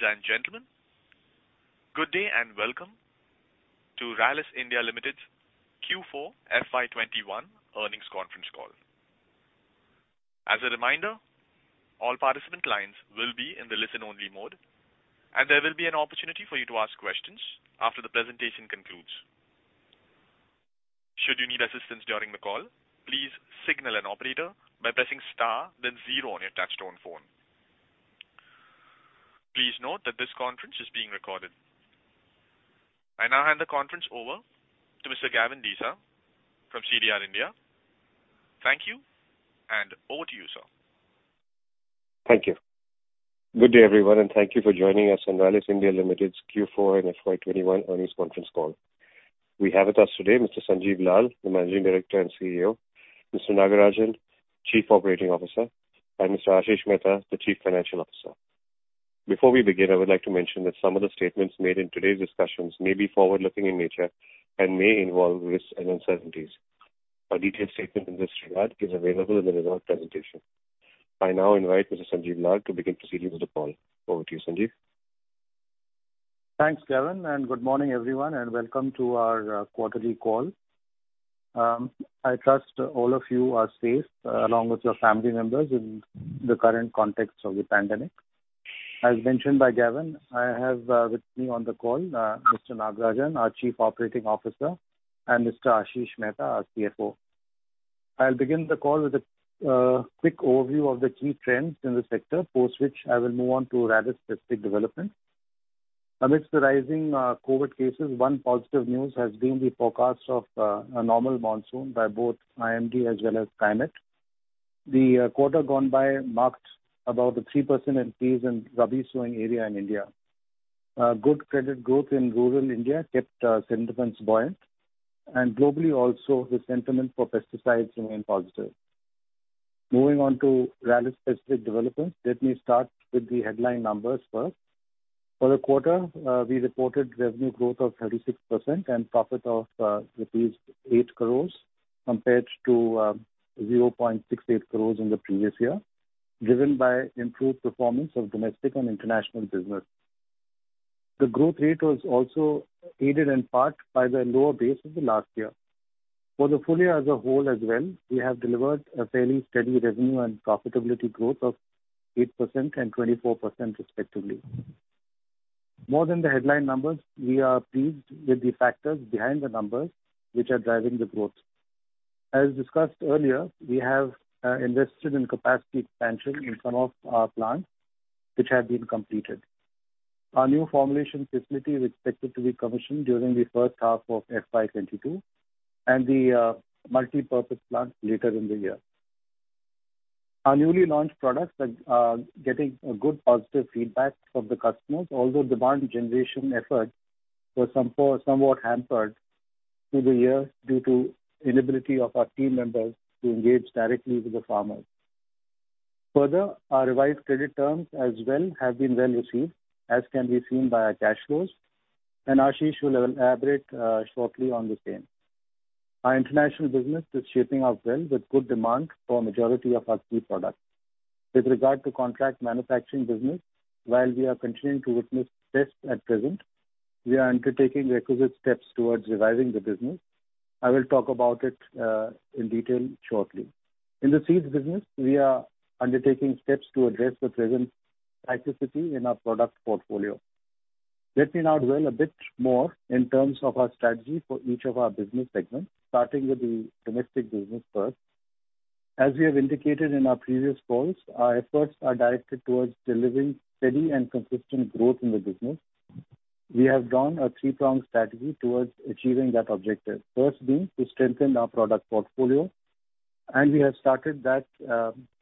Ladies and gentlemen, good day. Welcome to Rallis India Limited's Q4 FY 2021 earnings conference call. As a reminder, all participant lines will be in the listen-only mode. There will be an opportunity for you to ask questions after the presentation concludes. Should you need assistance during the call, please signal an operator by pressing star then zero on your touch-tone phone. Please note that this conference is being recorded. I now hand the conference over to Mr. Gavin Desa from CDR India. Thank you. Over to you, sir. Thank you. Good day, everyone. Thank you for joining us on Rallis India Limited's Q4 and FY 2021 earnings conference call. We have with us today Mr. Sanjiv Lal, the Managing Director and CEO; Mr. Nagarajan, Chief Operating Officer; Mr. Ashish Mehta, the Chief Financial Officer. Before we begin, I would like to mention that some of the statements made in today's discussions may be forward-looking in nature. May involve risks and uncertainties. A detailed statement in this regard is available in the reserved presentation. I now invite Mr. Sanjiv Lal to begin proceedings with the call. Over to you, Sanjiv. Thanks, Gavin. Good morning, everyone. Welcome to our quarterly call. I trust all of you are safe, along with your family members, in the current context of the pandemic. As mentioned by Gavin, I have with me on the call Mr. Nagarajan, our Chief Operating Officer, Mr. Ashish Mehta, our CFO. I will begin the call with a quick overview of the key trends in the sector, post which I will move on to Rallis specific developments. Amidst the rising COVID cases, one positive news has been the forecast of a normal monsoon by both IMD as well as Skymet. The quarter gone by marked about a 3% increase in rabi sowing area in India. Good credit growth in rural India kept sentiments buoyant. Globally also, the sentiment for pesticides remains positive. Moving on to Rallis specific developments, let me start with the headline numbers first. For the quarter, we reported revenue growth of 36%. Profit of rupees 8 crores compared to 0.68 crores in the previous year, driven by improved performance of domestic and international business. The growth rate was also aided in part by the lower base of the last year. For the full year as a whole as well, we have delivered a fairly steady revenue and profitability growth of 8% and 24% respectively. More than the headline numbers, we are pleased with the factors behind the numbers, which are driving the growth. As discussed earlier, we have invested in capacity expansion in some of our plants, which have been completed. Our new formulation facility is expected to be commissioned during the first half of FY 2022. The multipurpose plant later in the year. Our newly launched products are getting good positive feedback from the customers, although demand generation effort was somewhat hampered through the year due to inability of our team members to engage directly with the farmers. Further, our revised credit terms as well have been well received, as can be seen by our cash flows, and Ashish will elaborate shortly on the same. Our international business is shaping up well with good demand for a majority of our key products. With regard to contract manufacturing business, while we are continuing to witness this at present, we are undertaking requisite steps towards reviving the business. I will talk about it in detail shortly. In the seeds business, we are undertaking steps to address the present toxicity in our product portfolio. Let me now dwell a bit more in terms of our strategy for each of our business segments, starting with the domestic business first. As we have indicated in our previous calls, our efforts are directed towards delivering steady and consistent growth in the business. We have drawn a three-pronged strategy towards achieving that objective. First being to strengthen our product portfolio, and we have started that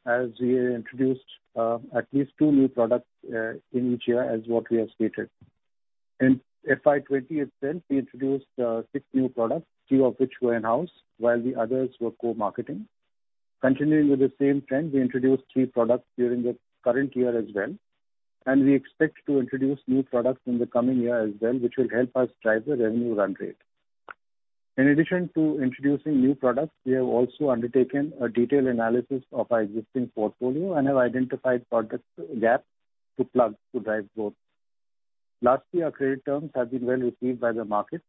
as we introduced at least two new products in each year as what we have stated. In FY 2020 itself, we introduced 6 new products, two of which were in-house, while the others were co-marketing. Continuing with the same trend, we introduced three products during the current year as well, and we expect to introduce new products in the coming year as well, which will help us drive the revenue run rate. In addition to introducing new products, we have also undertaken a detailed analysis of our existing portfolio and have identified product gaps to plug to drive growth. Lastly, our credit terms have been well received by the market.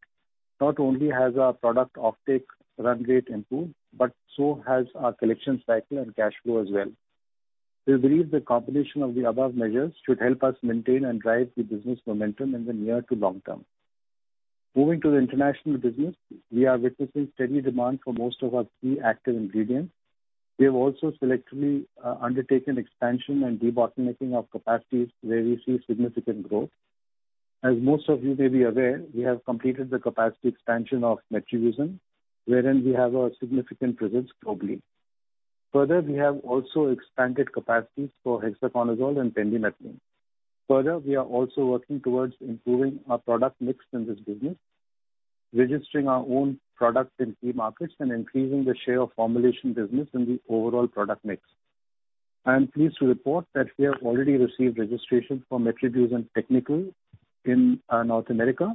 Not only has our product offtake run rate improved, but so has our collection cycle and cash flow as well. We believe the combination of the above measures should help us maintain and drive the business momentum in the near to long term. Moving to the international business, we are witnessing steady demand for most of our key active ingredients. We have also selectively undertaken expansion and debottlenecking of capacities where we see significant growth. As most of you may be aware, we have completed the capacity expansion of metribuzin, wherein we have a significant presence globally. Further, we have also expanded capacities for hexaconazole and pendimethalin. Further, we are also working towards improving our product mix in this business, registering our own product in key markets and increasing the share of formulation business in the overall product mix. I am pleased to report that we have already received registration for metribuzin technical in North America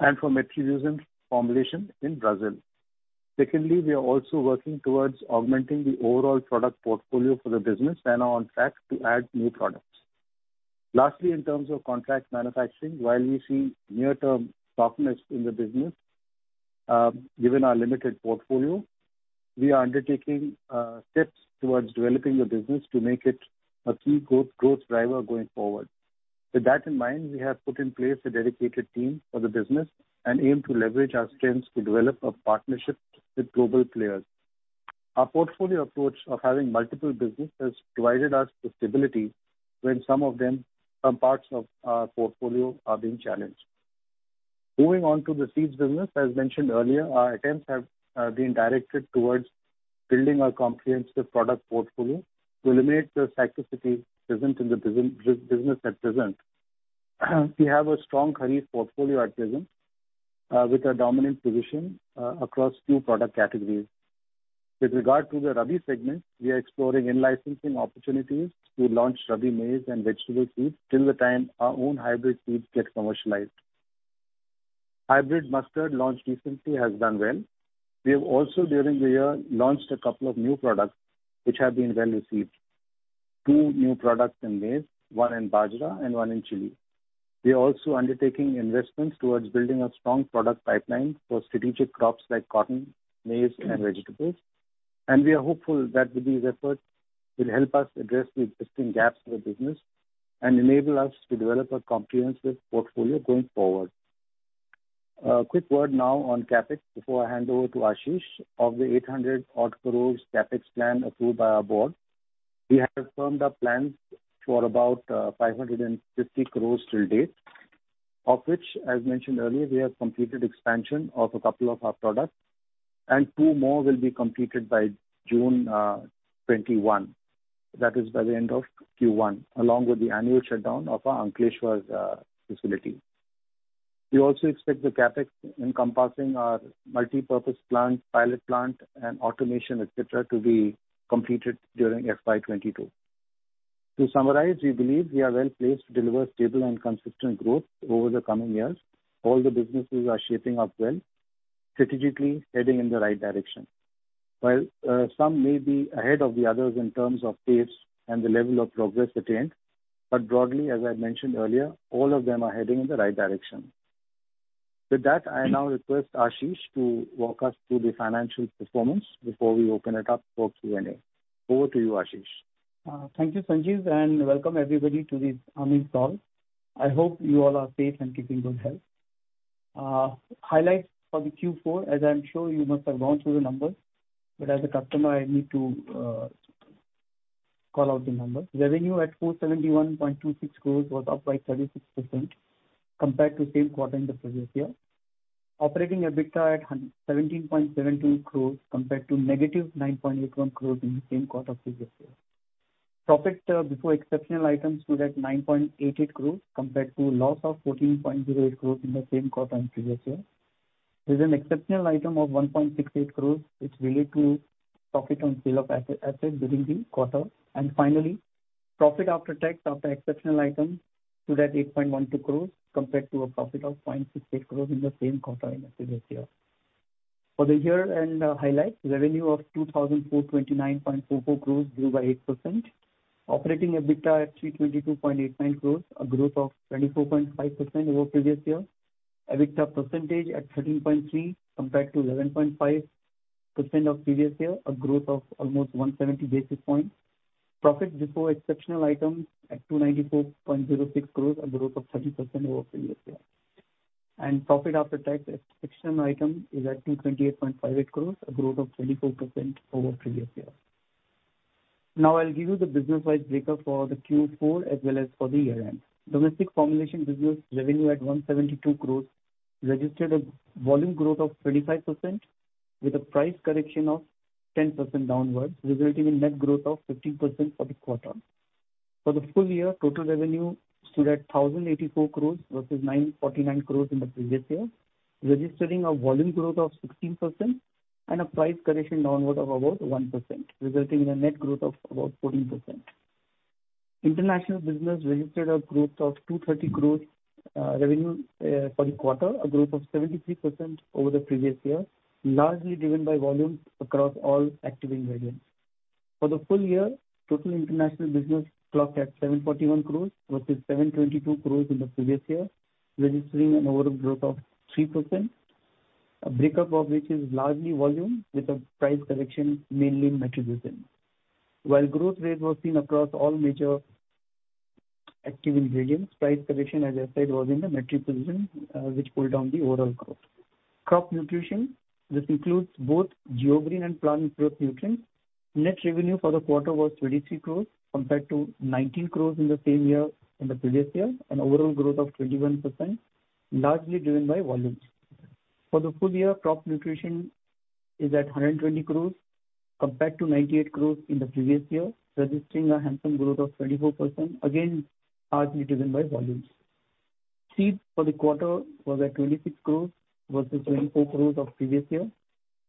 and for metribuzin formulation in Brazil. Secondly, we are also working towards augmenting the overall product portfolio for the business and are on track to add new products. Lastly, in terms of contract manufacturing, while we see near-term softness in the business, given our limited portfolio, we are undertaking steps towards developing the business to make it a key growth driver going forward. With that in mind, we have put in place a dedicated team for the business and aim to leverage our strengths to develop a partnership with global players. Our portfolio approach of having multiple businesses provided us with stability when some parts of our portfolio are being challenged. Moving on to the seeds business. As mentioned earlier, our attempts have been directed towards building a comprehensive product portfolio to eliminate the cyclicity present in the business at present. We have a strong kharif portfolio at present, with a dominant position across two product categories. With regard to the rabi segment, we are exploring in-licensing opportunities to launch rabi maize and vegetable seeds till the time our own hybrid seeds get commercialized. Hybrid mustard launch recently has done well. We have also, during the year, launched a couple of new products, which have been well received. Two new products in maize, one in bajra, and one in chili. We are also undertaking investments towards building a strong product pipeline for strategic crops like cotton, maize, and vegetables. We are hopeful that these efforts will help us address the existing gaps in the business and enable us to develop a comprehensive portfolio going forward. A quick word now on CapEx before I hand over to Ashish. Of the 800 odd crores CapEx plan approved by our board, we have firmed up plans for about 550 crores till date, of which, as mentioned earlier, we have completed expansion of a couple of our products and two more will be completed by June 2021. That is by the end of Q1, along with the annual shutdown of our Ankleshwar facility. We also expect the CapEx encompassing our multipurpose plant, pilot plant and automation, et cetera, to be completed during FY 2022. To summarize, we believe we are well-placed to deliver stable and consistent growth over the coming years. All the businesses are shaping up well, strategically heading in the right direction. While some may be ahead of the others in terms of pace and the level of progress attained, broadly, as I mentioned earlier, all of them are heading in the right direction. With that, I now request Ashish to walk us through the financial performance before we open it up for Q&A. Over to you, Ashish. Thank you, Sanjiv. Welcome everybody to this earnings call. I hope you all are safe and keeping good health. Highlights for the Q4, as I am sure you must have gone through the numbers, as a custom I need to call out the numbers. Revenue at 471.26 crores was up by 36% compared to the same quarter in the previous year. Operating EBITDA at 17.17 crores, compared to negative 9.81 crores in the same quarter of the previous year. Profit before exceptional items stood at 9.88 crores compared to loss of 14.08 crores in the same quarter in previous year. There is an exceptional item of 1.68 crores which relate to profit on sale of assets during the quarter. Finally, profit after tax after exceptional items stood at 8.12 crores compared to a profit of 0.68 crores in the same quarter in the previous year. For the year-end highlights, revenue of 2,429.44 crores grew by 8%. Operating EBITDA at 322.89 crores, a growth of 24.5% over previous year. EBITDA percentage at 13.3% compared to 11.5% of previous year, a growth of almost 170 basis points. Profit before exceptional items at 294.06 crores, a growth of 30% over previous year. Profit after tax exceptional item is at 228.58 crores, a growth of 24% over previous year. I'll give you the business-wise breakup for the Q4 as well as for the year-end. Domestic formulation business revenue at 172 crores registered a volume growth of 35% with a price correction of 10% downwards, resulting in net growth of 15% for the quarter. For the full year, total revenue stood at 1,084 crores versus 949 crores in the previous year, registering a volume growth of 16% and a price correction downward of about 1%, resulting in a net growth of about 14%. International business registered a growth of 230 crores revenue for the quarter, a growth of 73% over the previous year, largely driven by volume across all active ingredients. For the full year, total international business clocked at 741 crores versus 722 crores in the previous year, registering an overall growth of 3%, a breakup of which is largely volume with a price correction mainly in metribuzin. While growth rate was seen across all major active ingredients, price correction as I said, was in the metribuzin, which pulled down the overall growth. Crop nutrition, this includes both GeoGreen and Plant Pro nutrients. Net revenue for the quarter was 23 crores compared to 19 crores in the previous year, an overall growth of 21%, largely driven by volumes. For the full year, crop nutrition is at 120 crores compared to 98 crores in the previous year, registering a handsome growth of 24%, again, largely driven by volumes. Seeds for the quarter was at 26 crores versus 24 crores of the previous year,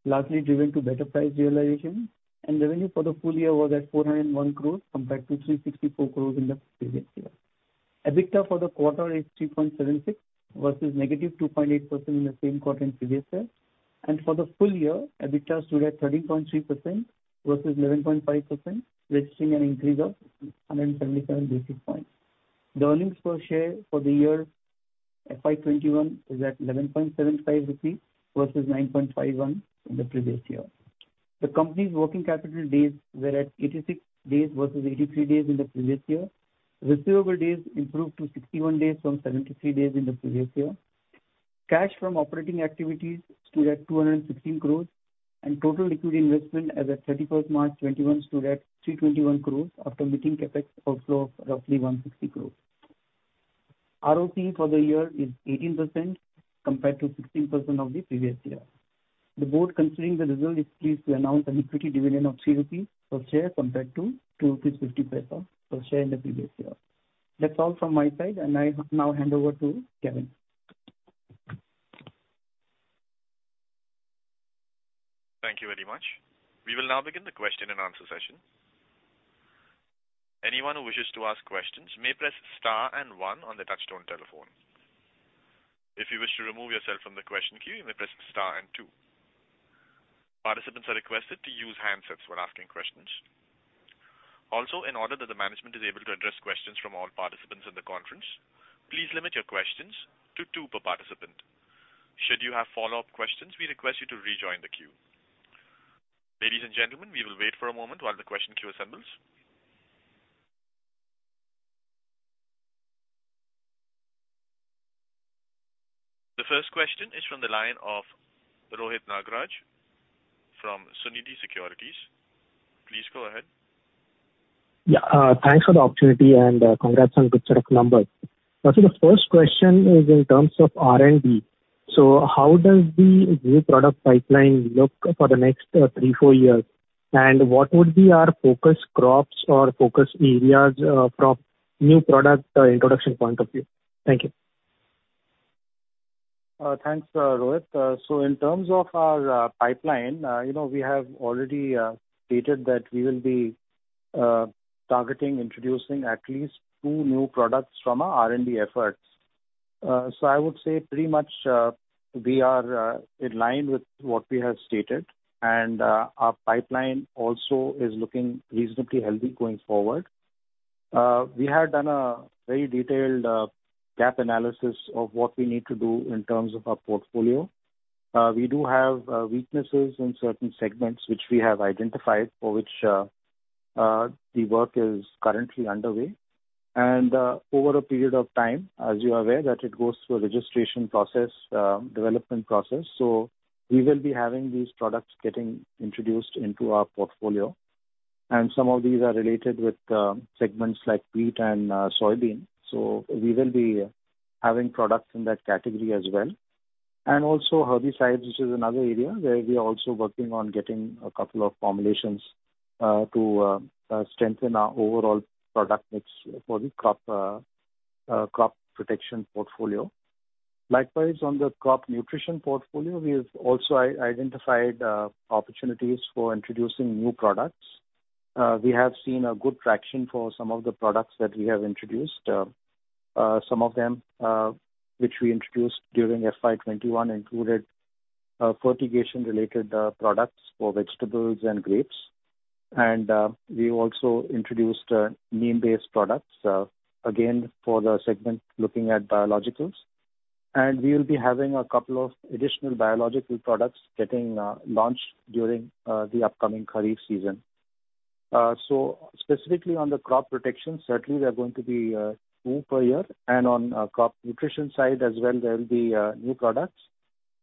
largely driven to better price realization. Revenue for the full year was at 401 crores compared to 364 crores in the previous year. EBITDA for the quarter is 3.76% versus -2.8% in the same quarter in previous year. For the full year, EBITDA stood at 13.3% versus 11.5%, registering an increase of 177 basis points. The earnings per share for the year FY 2021 is at 11.75 versus 9.51 in the previous year. The company's working capital days were at 86 days versus 83 days in the previous year. Receivable days improved to 61 days from 73 days in the previous year. Cash from operating activities stood at 216 crores and total liquid investment as at 31st March 2021 stood at 321 crores after meeting CapEx outflow of roughly 160 crores. ROE for the year is 18% compared to 16% of the previous year. The board considering the result is pleased to announce an equity dividend of 3 rupees per share compared to 2.50 rupees per share in the previous year. That's all from my side, and I now hand over to Gavin. Thank you very much. We will now begin the question and answer session. Anyone who wishes to ask questions may press star and one on the touchtone telephone. If you wish to remove yourself from the question queue, you may press star and two. Participants are requested to use handsets when asking questions. Also, in order that the management is able to address questions from all participants in the conference, please limit your questions to two per participant. Should you have follow-up questions, we request you to rejoin the queue. Ladies and gentlemen, we will wait for a moment while the question queue assembles. The first question is from the line of Rohit Nagaraj from Sunidhi Securities. Please go ahead. Yeah. Thanks for the opportunity and congrats on good set of numbers. Sir, the first question is in terms of R&D. How does the new product pipeline look for the next three, four years? What would be our focus crops or focus areas from new product introduction point of view? Thank you. Thanks, Rohit. In terms of our pipeline, we have already stated that we will be targeting introducing at least two new products from our R&D efforts. I would say pretty much we are in line with what we have stated, our pipeline also is looking reasonably healthy going forward. We have done a very detailed gap analysis of what we need to do in terms of our portfolio. We do have weaknesses in certain segments which we have identified for which the work is currently underway. Over a period of time, as you are aware, that it goes through a registration process, development process. We will be having these products getting introduced into our portfolio. Some of these are related with segments like wheat and soybean. We will be having products in that category as well. Also herbicides, which is another area where we are also working on getting a couple of formulations to strengthen our overall product mix for the crop protection portfolio. Likewise, on the crop nutrition portfolio, we have also identified opportunities for introducing new products. We have seen a good traction for some of the products that we have introduced. Some of them which we introduced during FY 2021 included fertigation related products for vegetables and grapes. We also introduced neem-based products, again, for the segment looking at biologicals. We will be having a couple of additional biological products getting launched during the upcoming kharif season. Specifically on the crop protection, certainly we are going to be two per year and on crop nutrition side as well there will be new products,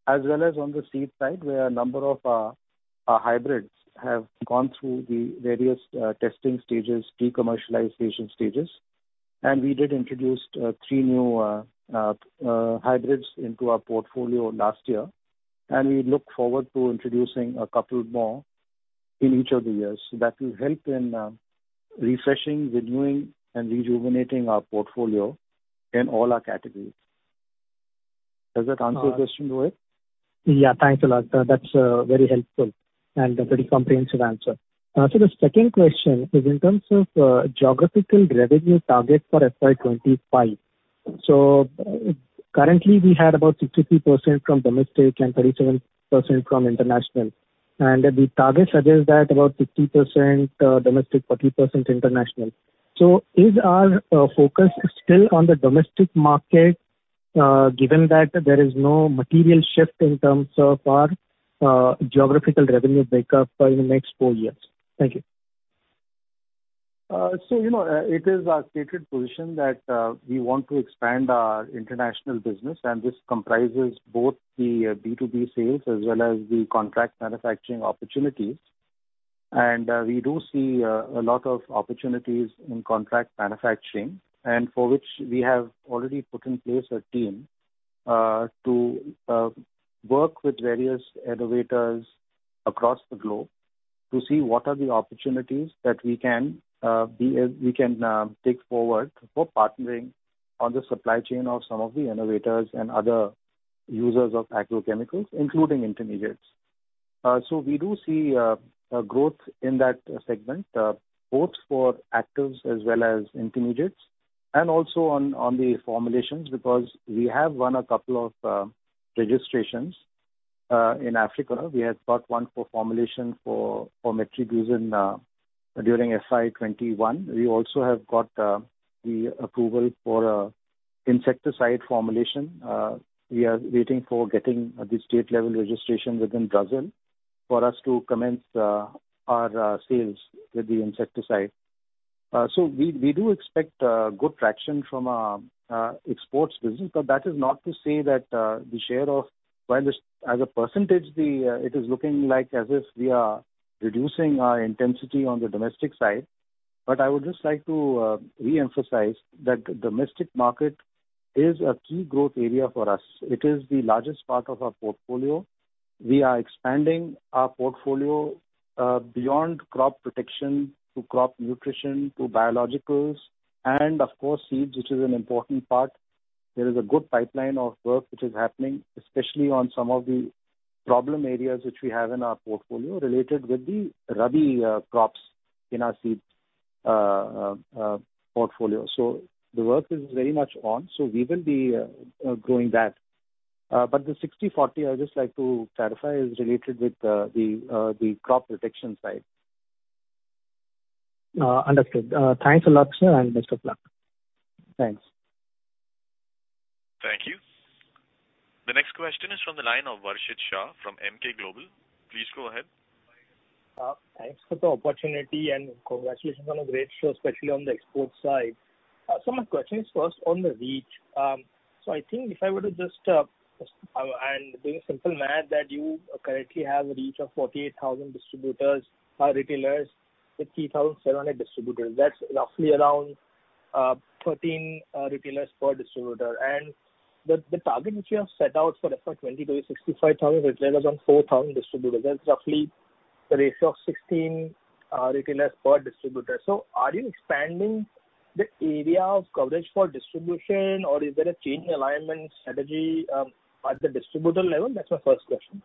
as well as on the seed side, where a number of our hybrids have gone through the various testing stages, de-commercialization stages. We did introduce three new hybrids into our portfolio last year, and we look forward to introducing a couple more in each of the years. That will help in refreshing, renewing, and rejuvenating our portfolio in all our categories. Does that answer your question, Rohit? Yeah. Thanks a lot. That's very helpful and a pretty comprehensive answer. Sir, the second question is in terms of geographical revenue target for FY 2025. Currently we had about 63% from domestic and 37% from international. The target suggests that about 50% domestic, 40% international. Is our focus still on the domestic market given that there is no material shift in terms of our geographical revenue breakup for the next four years? Thank you. It is our stated position that we want to expand our international business, and this comprises both the B2B sales as well as the contract manufacturing opportunities. We do see a lot of opportunities in contract manufacturing and for which we have already put in place a team to work with various innovators across the globe to see what are the opportunities that we can take forward for partnering on the supply chain of some of the innovators and other users of agrochemicals, including intermediates We do see a growth in that segment both for actives as well as intermediates, and also on the formulations because we have won a couple of registrations in Africa. We have got one for formulation for metribuzin during FY 2021. We also have got the approval for insecticide formulation. We are waiting for getting the state level registration within Brazil for us to commence our sales with the insecticide. We do expect good traction from our exports business. That is not to say that As a percentage, it is looking like as if we are reducing our intensity on the domestic side. I would just like to re-emphasize that domestic market is a key growth area for us. It is the largest part of our portfolio. We are expanding our portfolio beyond crop protection to crop nutrition to biologicals and, of course, seeds, which is an important part. There is a good pipeline of work which is happening, especially on some of the problem areas which we have in our portfolio related with the rabi crops in our seed portfolio. The work is very much on. We will be growing that. The 60/40, I would just like to clarify, is related with the crop protection side. Understood. Thanks a lot, sir, best of luck. Thanks. Thank you. The next question is from the line of Varshit Shah from Emkay Global. Please go ahead. Thanks for the opportunity and congratulations on a great show, especially on the export side. My question is first on the reach. I think if I were to just I'm doing simple math that you currently have a reach of 48,000 distributors, retailers, 50,700 distributors. That's roughly around 13 retailers per distributor. The target which you have set out for FY 2022 is 65,000 retailers on 4,000 distributors. That's roughly a ratio of 16 retailers per distributor. Are you expanding the area of coverage for distribution, or is there a change in alignment strategy at the distributor level? That's my first question.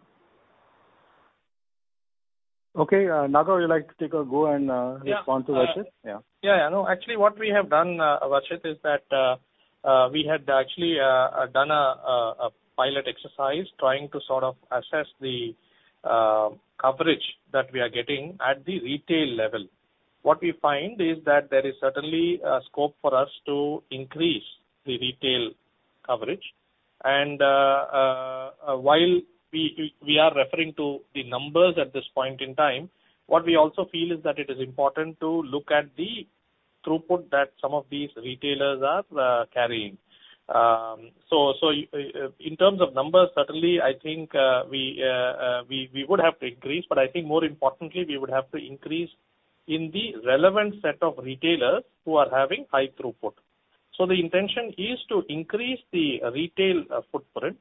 Okay. Naga, would you like to take a go and respond to Varshit? Yeah. Yeah. No, actually, what we have done, Varshit, is that we had actually done a pilot exercise trying to sort of assess the coverage that we are getting at the retail level. What we find is that there is certainly a scope for us to increase the retail coverage. While we are referring to the numbers at this point in time, what we also feel is that it is important to look at the throughput that some of these retailers are carrying. In terms of numbers, certainly, I think we would have to increase, more importantly, we would have to increase in the relevant set of retailers who are having high throughput. The intention is to increase the retail footprint,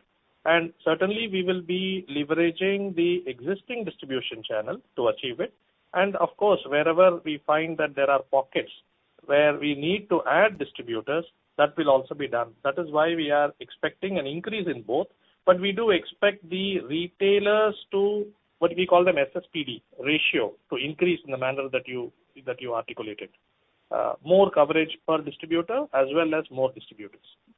certainly we will be leveraging the existing distribution channel to achieve it. Of course, wherever we find that there are pockets where we need to add distributors, that will also be done. That is why we are expecting an increase in both. We do expect the retailers to, what we call them, SSPD ratio, to increase in the manner that you articulated. More coverage per distributor as well as more distributors. Sure.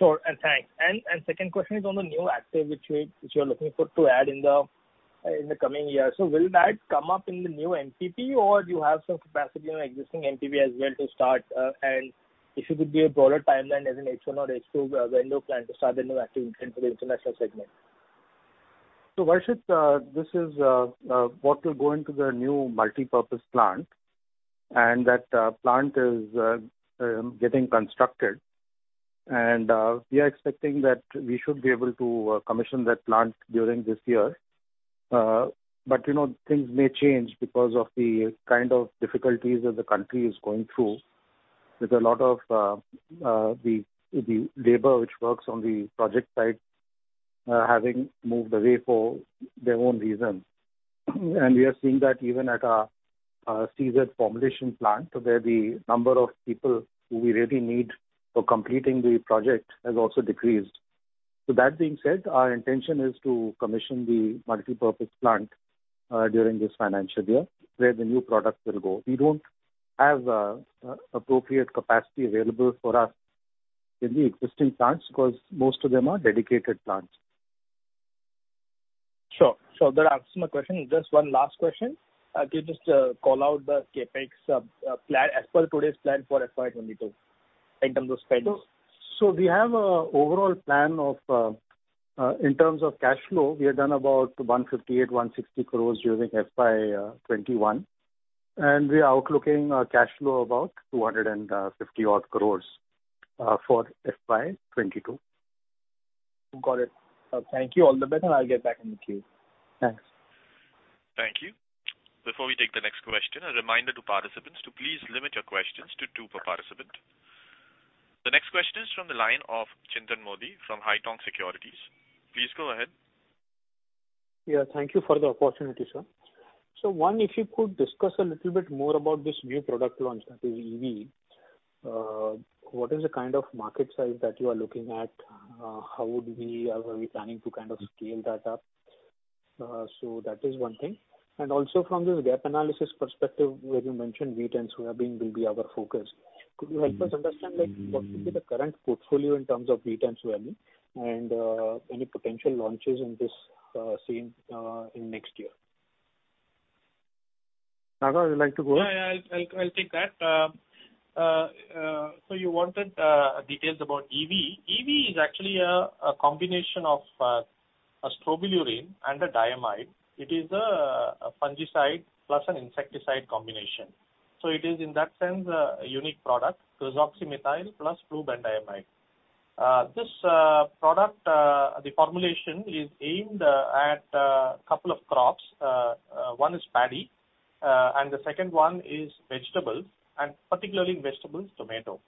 Thanks. Second question is on the new active which you are looking to add in the coming year. Will that come up in the new MPP or do you have some capacity in existing MPP as well to start? If you could give a broader timeline as in H1 or H2 when you plan to start the new active intent for the international segment. Varshit, this is what will go into the new multipurpose plant, and that plant is getting constructed. We are expecting that we should be able to commission that plant during this year. Things may change because of the kind of difficulties that the country is going through with a lot of the labor which works on the project site having moved away for their own reasons. We are seeing that even at our SEZ formulation plant, where the number of people who we really need for completing the project has also decreased. That being said, our intention is to commission the multipurpose plant during this financial year where the new product will go. We don't have appropriate capacity available for us in the existing plants because most of them are dedicated plants. Sure. That answers my question. Just one last question. Could you just call out the CapEx as per today's plan for FY 2022 in terms of spends? We have an overall plan of, in terms of cash flow, we have done about 158 crores, 160 crores during FY 2021. We are outlooking cash flow about 250 odd crores for FY 2022. Got it. Thank you. All the best, I'll get back in the queue. Thanks. Thank you. Before we take the next question, a reminder to participants to please limit your questions to two per participant. The next question is from the line of Chintan Modi from Haitong Securities. Please go ahead. Yeah. Thank you for the opportunity, sir. One, if you could discuss a little bit more about this new product launch, that is EV. What is the kind of market size that you are looking at? How are we planning to scale that up? That is one thing. Also from this gap analysis perspective where you mentioned wheat and soybean will be our focus. Could you help us understand what will be the current portfolio in terms of wheat and soybean, and any potential launches in this scene in next year? Naga, would you like to go? Yeah, I'll take that. You wanted details about EV. EV is actually a combination of a strobilurin and a diamide. It is a fungicide plus an insecticide combination. It is in that sense, a unique product, boscalid plus flubendiamide. This product, the formulation is aimed at a couple of crops. One is paddy, and the second one is vegetables, and particularly vegetables, tomato.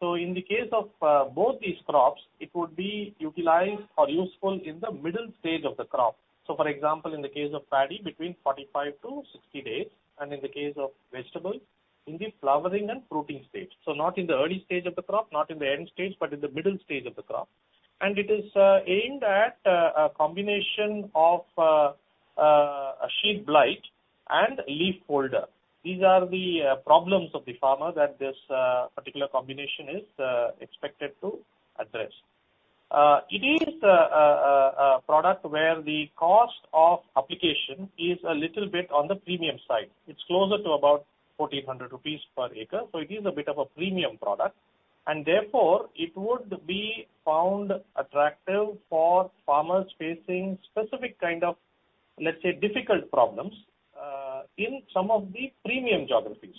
In the case of both these crops, it would be utilized or useful in the middle stage of the crop. For example, in the case of paddy, between 45 to 60 days, and in the case of vegetables, in the flowering and fruiting stage. Not in the early stage of the crop, not in the end stage, but in the middle stage of the crop. It is aimed at a combination of sheath blight and leaf folder. These are the problems of the farmer that this particular combination is expected to address. It is a product where the cost of application is a little bit on the premium side. It is closer to about 4,800 rupees per acre. It is a bit of a premium product. Therefore, it would be found attractive for farmers facing specific kind of, let's say, difficult problems in some of the premium geographies.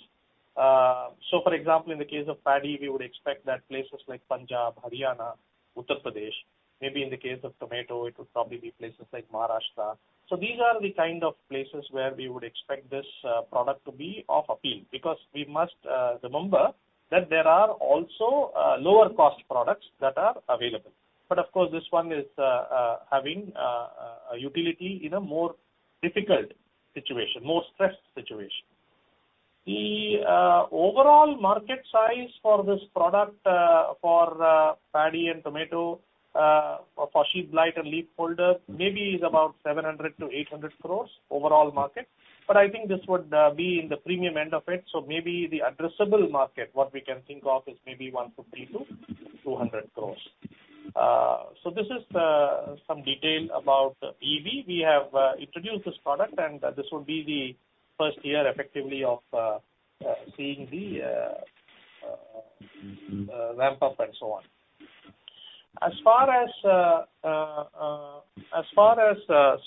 For example, in the case of paddy, we would expect that places like Punjab, Haryana, Uttar Pradesh. Maybe in the case of tomato, it would probably be places like Maharashtra. These are the kind of places where we would expect this product to be of appeal. We must remember that there are also lower cost products that are available. Of course, this one is having a utility in a more difficult situation, more stressed situation. The overall market size for this product for paddy and tomato, for sheath blight and leaf folder, maybe is about 700 crores-800 crores overall market. I think this would be in the premium end of it. Maybe the addressable market, what we can think of is maybe 150 crores-200 crores. This is some detail about EV. We have introduced this product, and this would be the first year effectively of seeing the ramp up and so on. As far as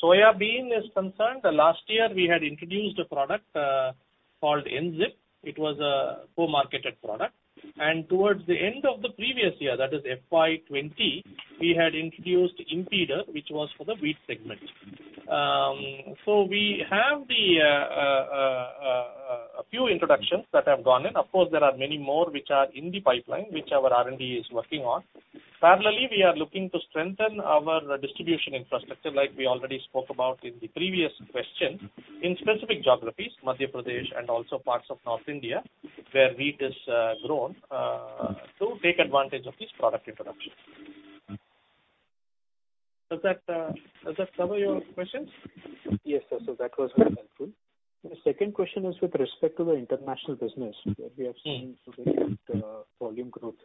soybean is concerned, last year we had introduced a product called Enzip. It was a co-marketed product. Towards the end of the previous year, that is FY 2020, we had introduced Impida, which was for the wheat segment. We have a few introductions that have gone in. Of course, there are many more which are in the pipeline, which our R&D is working on. Parallelly, we are looking to strengthen our distribution infrastructure, like we already spoke about in the previous question, in specific geographies, Madhya Pradesh and also parts of North India, where wheat is grown, to take advantage of these product introductions. Does that cover your questions? Yes. That was very helpful. My second question is with respect to the international business, where we have seen volume growth.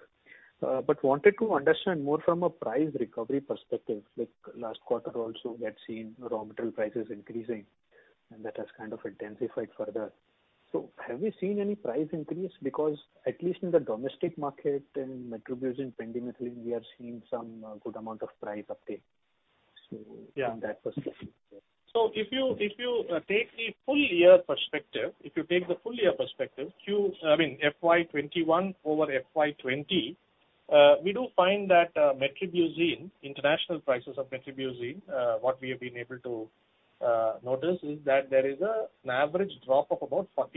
Wanted to understand more from a price recovery perspective. Last quarter also, we had seen raw material prices increasing, and that has kind of intensified further. Have we seen any price increase because at least in the domestic market, in metribuzin, pendimethalin, we have seen some good amount of price uptick. From that perspective. If you take the full year perspective, FY 2021 over FY 2020, we do find that metribuzin, international prices of metribuzin, what we have been able to notice is that there is an average drop of about 40%.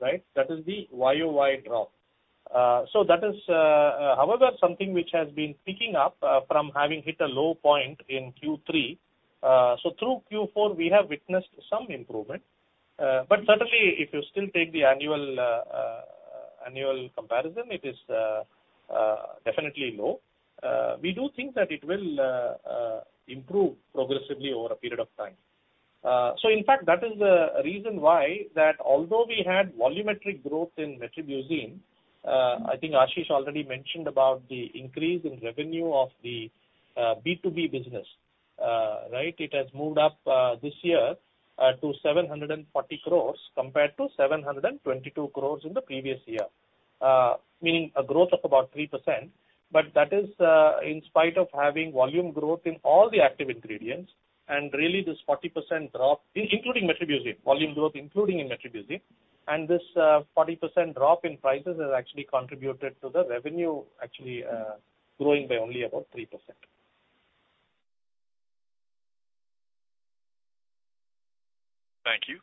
That is the Y-o-Y drop. However, something which has been picking up from having hit a low point in Q3. Through Q4, we have witnessed some improvement. Certainly, if you still take the annual comparison, it is definitely low. We do think that it will improve progressively over a period of time. In fact, that is the reason why that although we had volumetric growth in metribuzin, I think Ashish already mentioned about the increase in revenue of the B2B business. It has moved up this year to 740 crores compared to 722 crores in the previous year. Meaning a growth of about 3%. That is in spite of having volume growth in all the active ingredients. Really this 40% drop, including metribuzin, volume growth including in metribuzin. This 40% drop in prices has actually contributed to the revenue actually growing by only about 3%. Thank you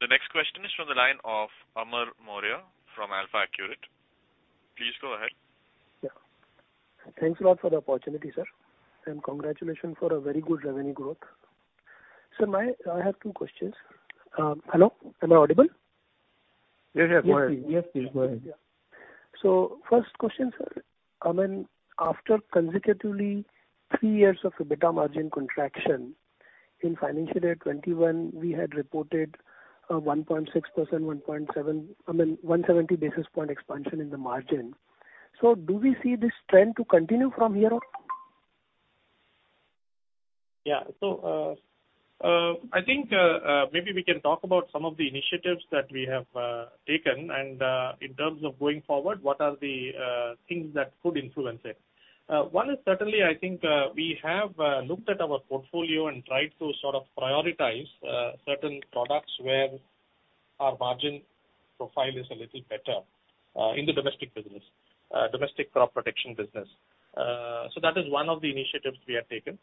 The next question is from the line of Amar Maurya from AlphaAccurate. Please go ahead. Yeah. Thanks a lot for the opportunity, sir, and congratulations for a very good revenue growth. Sir, I have two questions. Hello, am I audible? Yes. Go ahead. Yes, please go ahead. First question, sir. After consecutively three years of EBITDA margin contraction in FY 2021, we had reported a 1.6%, 170 basis points expansion in the margin. Do we see this trend to continue from here on? Yeah. I think maybe we can talk about some of the initiatives that we have taken and in terms of going forward, what are the things that could influence it. One is, certainly, I think we have looked at our portfolio and tried to sort of prioritize certain products where our margin profile is a little better in the domestic business, domestic crop protection business. That is one of the initiatives we have taken.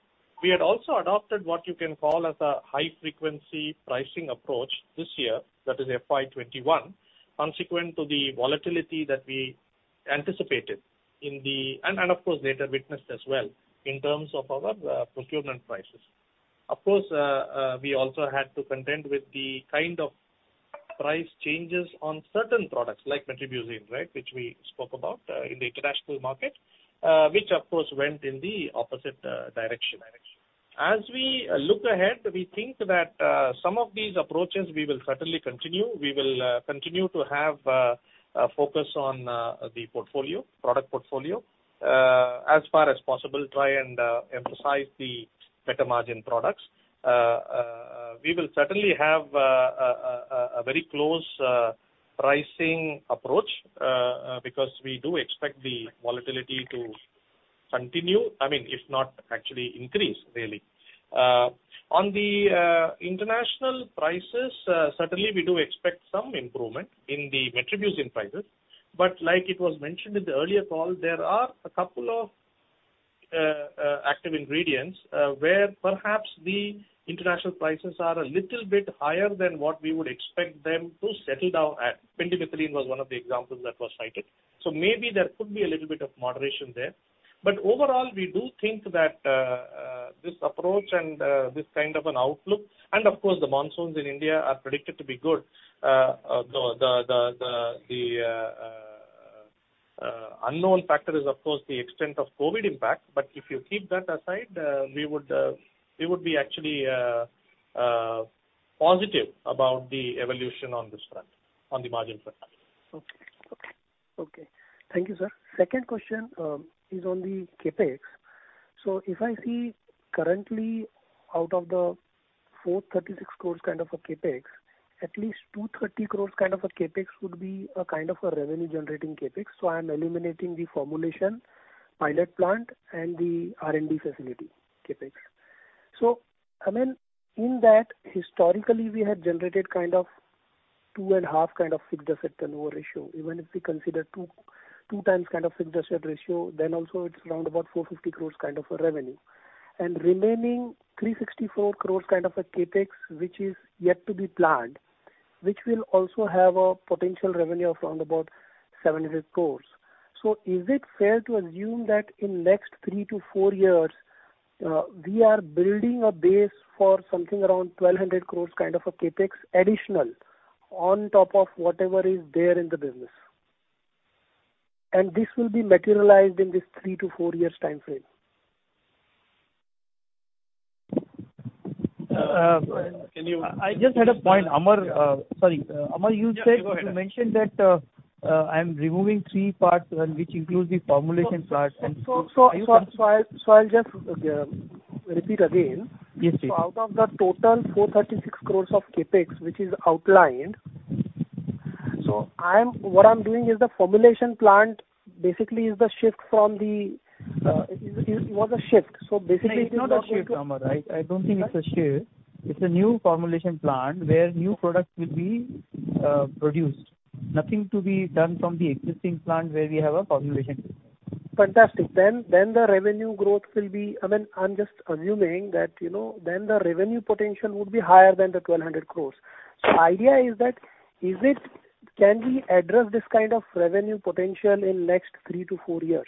We had also adopted what you can call as a high frequency pricing approach this year, that is FY 2021, consequent to the volatility that we anticipated in the, and of course, later witnessed as well in terms of our procurement prices. Of course, we also had to contend with the kind of price changes on certain products like metribuzin, which we spoke about in the international market which of course, went in the opposite direction. As we look ahead, we think that some of these approaches we will certainly continue. We will continue to have a focus on the product portfolio. As far as possible, try and emphasize the better margin products. We will certainly have a very close pricing approach because we do expect the volatility to continue. I mean, if not, actually increase really. On the international prices, certainly we do expect some improvement in the metribuzin prices, but like it was mentioned in the earlier call, there are a couple of active ingredients where perhaps the international prices are a little bit higher than what we would expect them to settle down at. Pendimethalin was one of the examples that was cited. Maybe there could be a little bit of moderation there. Overall, we do think that this approach and this kind of an outlook, and of course, the monsoons in India are predicted to be good. The unknown factor is, of course, the extent of COVID impact. If you keep that aside, we would be actually positive about the evolution on this front, on the margin front. Okay. Thank you, sir. Second question is on the CapEx. If I see currently out of the 436 crores kind of a CapEx, at least 230 crores kind of a CapEx would be a kind of a revenue generating CapEx. I am eliminating the formulation pilot plant and the R&D facility CapEx. I mean, in that, historically, we had generated kind of two and a half kind of fixed asset turnover ratio. Even if we consider two times kind of fixed asset ratio, then also it's around about 450 crores kind of a revenue. Remaining 364 crores kind of a CapEx, which is yet to be planned, which will also have a potential revenue of around about 700 crores. Is it fair to assume that in next three to four years, we are building a base for something around 1,200 crores kind of a CapEx additional on top of whatever is there in the business? This will be materialized in this three to four years timeframe. Can you I just had a point, Amar. Sorry. Amar, you said Yeah, go ahead. You mentioned that I'm removing three parts, which includes the formulation parts and- I'll just repeat again. Yes. Out of the total 436 crores of CapEx, which is outlined. What I'm doing is the formulation plant basically is the shift from the It was a shift. Basically- No, it's not a shift, Amar. I don't think it's a shift. It's a new formulation plant where new products will be produced. Nothing to be done from the existing plant where we have a formulation. Fantastic. The revenue growth will be I mean, I'm just assuming that the revenue potential would be higher than the 1,200 crores. The idea is that can we address this kind of revenue potential in next three to four years?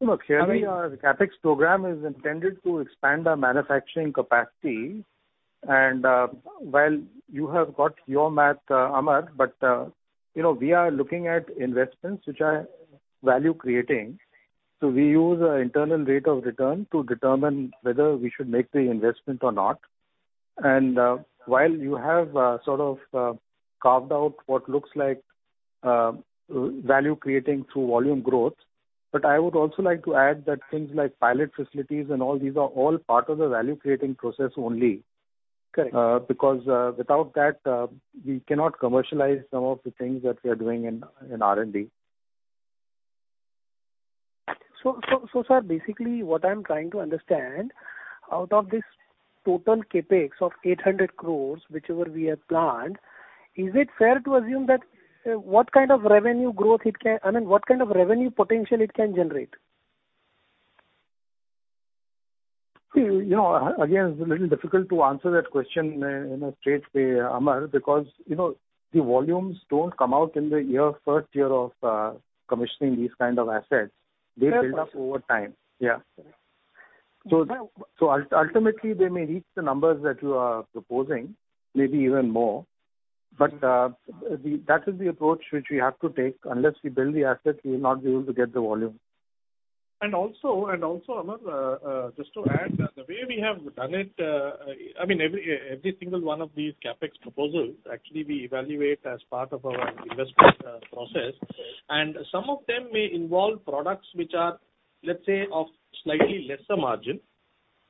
Look, clearly our CapEx program is intended to expand our manufacturing capacity. While you have got your math, Amar, we are looking at investments which are value creating. We use internal rate of return to determine whether we should make the investment or not. While you have sort of carved out what looks like value creating through volume growth, I would also like to add that things like pilot facilities and all these are all part of the value creating process only. Correct. Without that, we cannot commercialize some of the things that we are doing in R&D. Sir, basically what I'm trying to understand, out of this total CapEx of 800 crores, whichever we have planned, is it fair to assume what kind of revenue potential it can generate? It's a little difficult to answer that question in a straight way, Amar, because the volumes don't come out in the first year of commissioning these kind of assets. They build up over time. Yeah. Ultimately, they may reach the numbers that you are proposing, maybe even more. That is the approach which we have to take. Unless we build the asset, we will not be able to get the volume. Also, Amar, just to add, the way we have done it, every single one of these CapEx proposals, actually, we evaluate as part of our investment process. Some of them may involve products which are, let's say, of slightly lesser margin,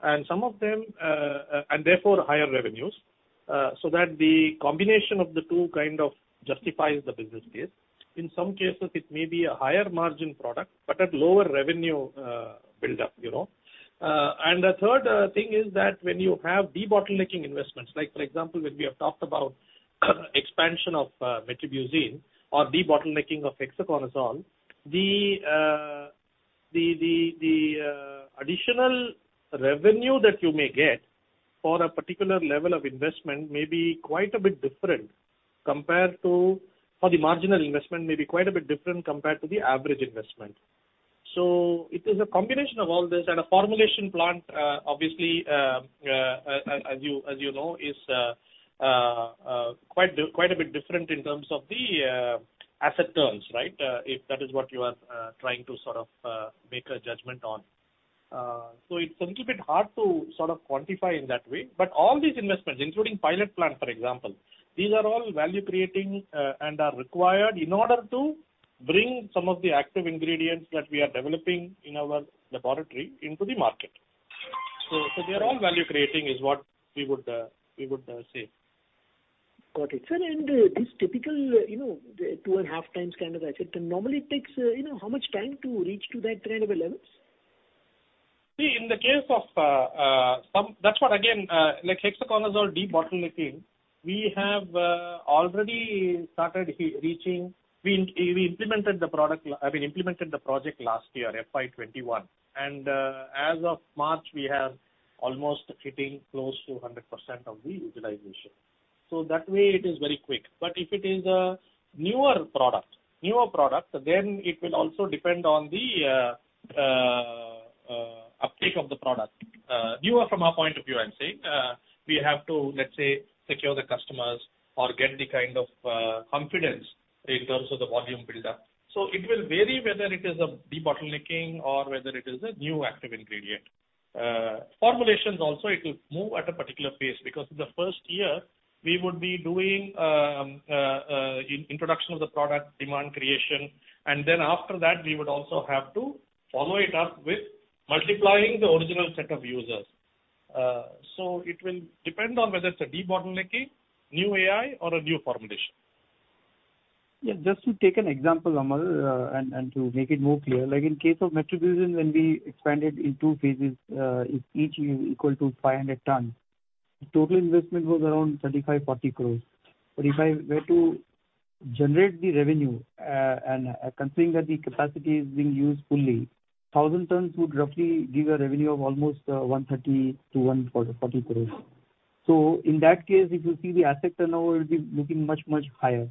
and therefore higher revenues, that the combination of the two kind of justifies the business case. In some cases, it may be a higher margin product, at lower revenue build-up. The third thing is that when you have debottlenecking investments, like for example, when we have talked about expansion of metribuzin or debottlenecking of hexaconazole, the additional revenue that you may get for a particular level of investment or the marginal investment may be quite a bit different compared to the average investment. It is a combination of all this, a formulation plant, obviously, as you know, is quite a bit different in terms of the asset turns. If that is what you are trying to sort of make a judgment on. It's a little bit hard to sort of quantify in that way. All these investments, including pilot plant, for example, these are all value-creating and are required in order to bring some of the active ingredients that we are developing in our laboratory into the market. They are all value-creating is what we would say. Got it. Sir, this typical two and a half times kind of asset turn, normally it takes how much time to reach to that kind of a levels? See, in the case of some, that's what again like hexaconazole debottlenecking, we have already started reaching. We implemented the project last year, FY 2021, and as of March, we are almost hitting close to 100% of the utilization. That way it is very quick. If it is a newer product, it will also depend on the uptake of the product. Newer from our point of view, I'm saying. We have to, let's say, secure the customers or get the kind of confidence in terms of the volume build-up. It will vary whether it is a debottlenecking or whether it is a new active ingredient. Formulations also, it will move at a particular pace, because in the first year we would be doing introduction of the product, demand creation, and after that, we would also have to follow it up with multiplying the original set of users. It will depend on whether it's a debottlenecking, new AI or a new formulation. Just to take an example, Amar, to make it more clear, like in case of metribuzin when we expanded in two phases, each equal to 500 tons. The total investment was around 35 crores-40 crores. If I were to generate the revenue, and considering that the capacity is being used fully, 1,000 tons would roughly give a revenue of almost 130 crores-140 crores. In that case, if you see the asset turnover will be looking much, much higher.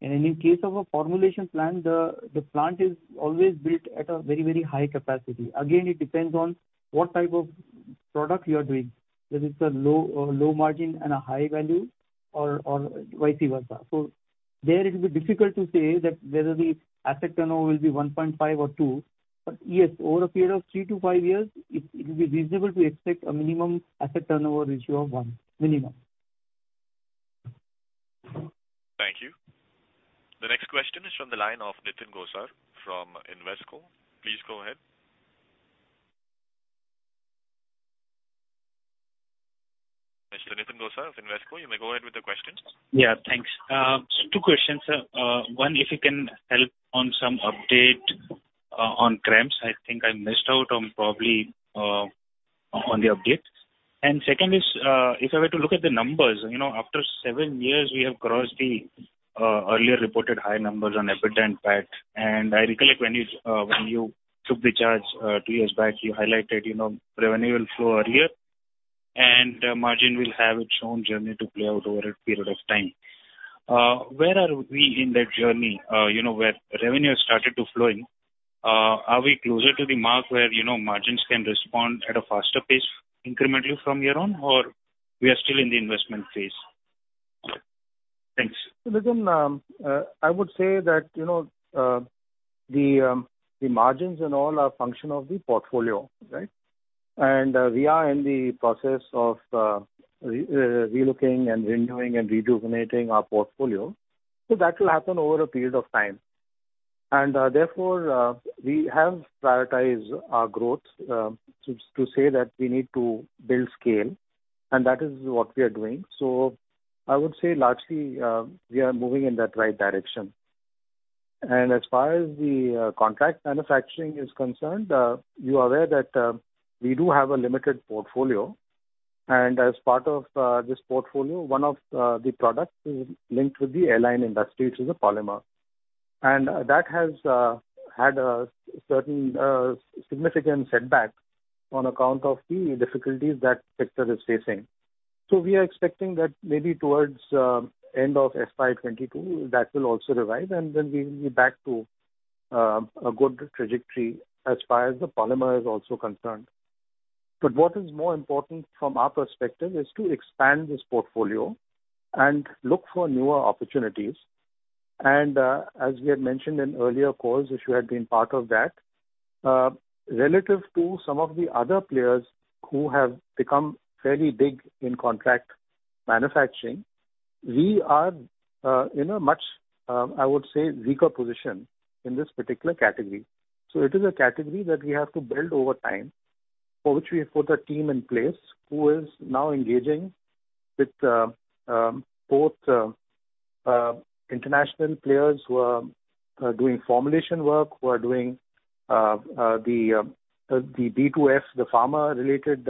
In case of a formulation plant, the plant is always built at a very high capacity. Again, it depends on what type of product you are doing. Whether it's a low margin and a high value or vice versa. There it will be difficult to say that whether the asset turnover will be 1.5 or two. yes, over a period of three to five years, it will be reasonable to expect a minimum asset turnover ratio of one. Minimum. Thank you. The next question is from the line of Nitin Gosar from Invesco. Please go ahead. Mr. Nitin Gosar of Invesco, you may go ahead with the questions. Yeah, thanks. two questions. One, if you can help on some update on CRAMS. I think I missed out on probably on the updates. second is, if I were to look at the numbers, after seven years, we have crossed the earlier reported high numbers on EBIT and PAT. I recollect when you took the charge two years back, you highlighted revenue will flow earlier and margin will have its own journey to play out over a period of time. Where are we in that journey? Where revenue has started to flow in. Are we closer to the mark where margins can respond at a faster pace incrementally from here on, or we are still in the investment phase? Thanks. Nitin, I would say that the margins and all are function of the portfolio. we are in the process of relooking and renewing and rejuvenating our portfolio. that will happen over a period of time. therefore, we have prioritized our growth to say that we need to build scale, and that is what we are doing. I would say largely, we are moving in that right direction. As far as the contract manufacturing is concerned, you're aware that we do have a limited portfolio, and as part of this portfolio, one of the products is linked with the airline industry. It is a polymer. That has had a certain significant setback on account of the difficulties that sector is facing. We are expecting that maybe towards end of FY 2022, that will also revive, then we will be back to a good trajectory as far as the polymer is also concerned. What is more important from our perspective is to expand this portfolio and look for newer opportunities. As we had mentioned in earlier calls, if you had been part of that, relative to some of the other players who have become fairly big in contract manufacturing, we are in a much, I would say, weaker position in this particular category. It is a category that we have to build over time, for which we have put a team in place who is now engaging with both international players who are doing formulation work, who are doing the B2F, the pharma-related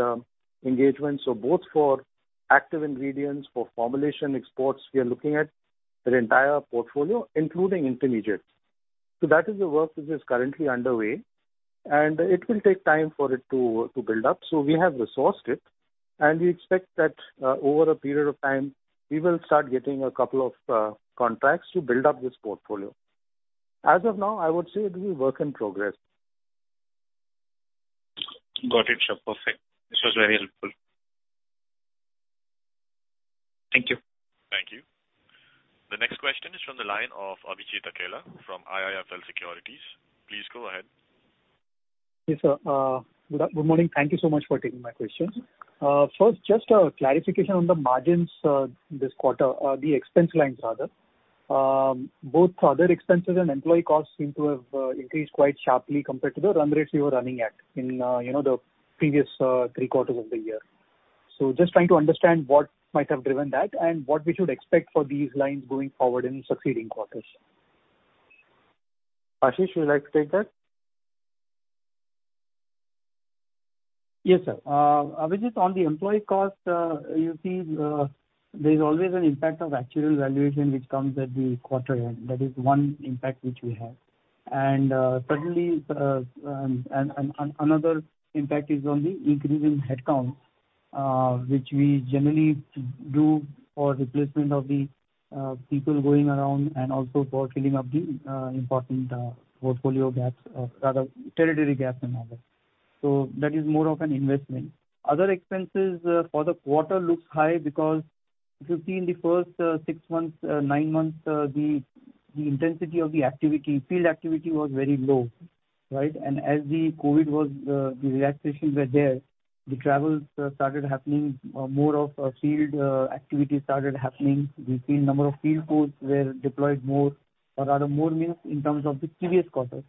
engagements. Both for active ingredients, for formulation exports, we are looking at an entire portfolio, including intermediates. That is the work which is currently underway, and it will take time for it to build up. We have resourced it, we expect that over a period of time, we will start getting a couple of contracts to build up this portfolio. As of now, I would say it is a work in progress. Got it, sure. Perfect. This was very helpful. Thank you. Thank you. The next question is from the line of Abhijit Akella from IIFL Securities. Please go ahead. Yes, sir. Good morning. Thank you so much for taking my questions. First, just a clarification on the margins this quarter, the expense lines rather. Both other expenses and employee costs seem to have increased quite sharply compared to the run rates we were running at in the previous three quarters of the year. Just trying to understand what might have driven that and what we should expect for these lines going forward in succeeding quarters. Ashish, would you like to take that? Yes, sir. Abhijit, on the employee cost, you see there's always an impact of actuarial valuation which comes at the quarter end. That is one impact which we have. Certainly, another impact is on the increase in headcount, which we generally do for replacement of the people going around and also for filling up the important portfolio gaps, or rather territory gaps and all that. That is more of an investment. Other expenses for the quarter looks high because if you see in the first six months, nine months, the intensity of the field activity was very low. Right? As the COVID relaxations were there, the travels started happening. More of field activity started happening. We've seen number of field force were deployed more, or rather more means in terms of the previous quarter.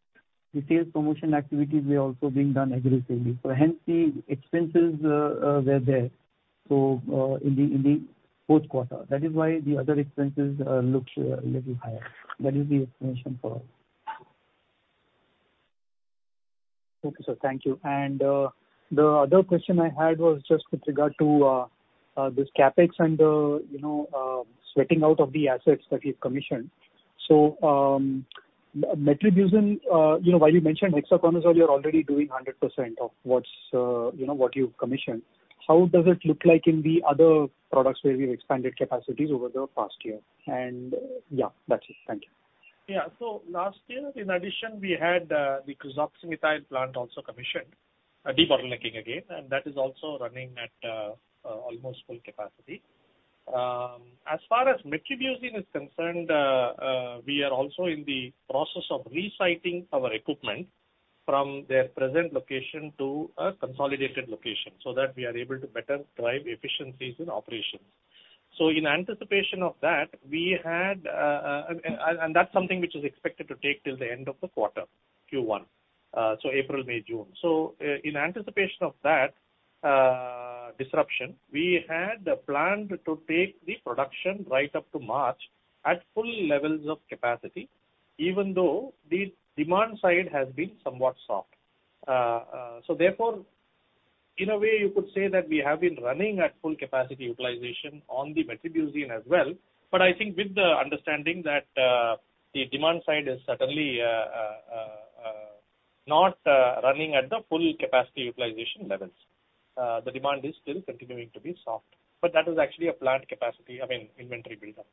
The sales promotion activities were also being done aggressively. Hence the expenses were there in the fourth quarter. That is why the other expenses looks a little higher. That is the explanation for it. Okay, sir. Thank you. The other question I had was just with regard to this CapEx and the sweating out of the assets that you've commissioned. Metribuzin, while you mentioned Hexaconazole, you're already doing 100% of what you've commissioned. How does it look like in the other products where we've expanded capacities over the past year? Yeah, that's it. Thank you. Yeah. Last year, in addition, we had the Carfentrazone-ethyl plant also commissioned, debottlenecking again, and that is also running at almost full capacity. As far as metribuzin is concerned, we are also in the process of resiting our equipment from their present location to a consolidated location, so that we are able to better drive efficiencies in operations. That's something which is expected to take till the end of the quarter Q1. April, May, June. In anticipation of that disruption, we had planned to take the production right up to March at full levels of capacity, even though the demand side has been somewhat soft. Therefore, in a way, you could say that we have been running at full capacity utilization on the metribuzin as well. I think with the understanding that the demand side is certainly not running at the full capacity utilization levels. The demand is still continuing to be soft, but that is actually a planned capacity, I mean, inventory buildup.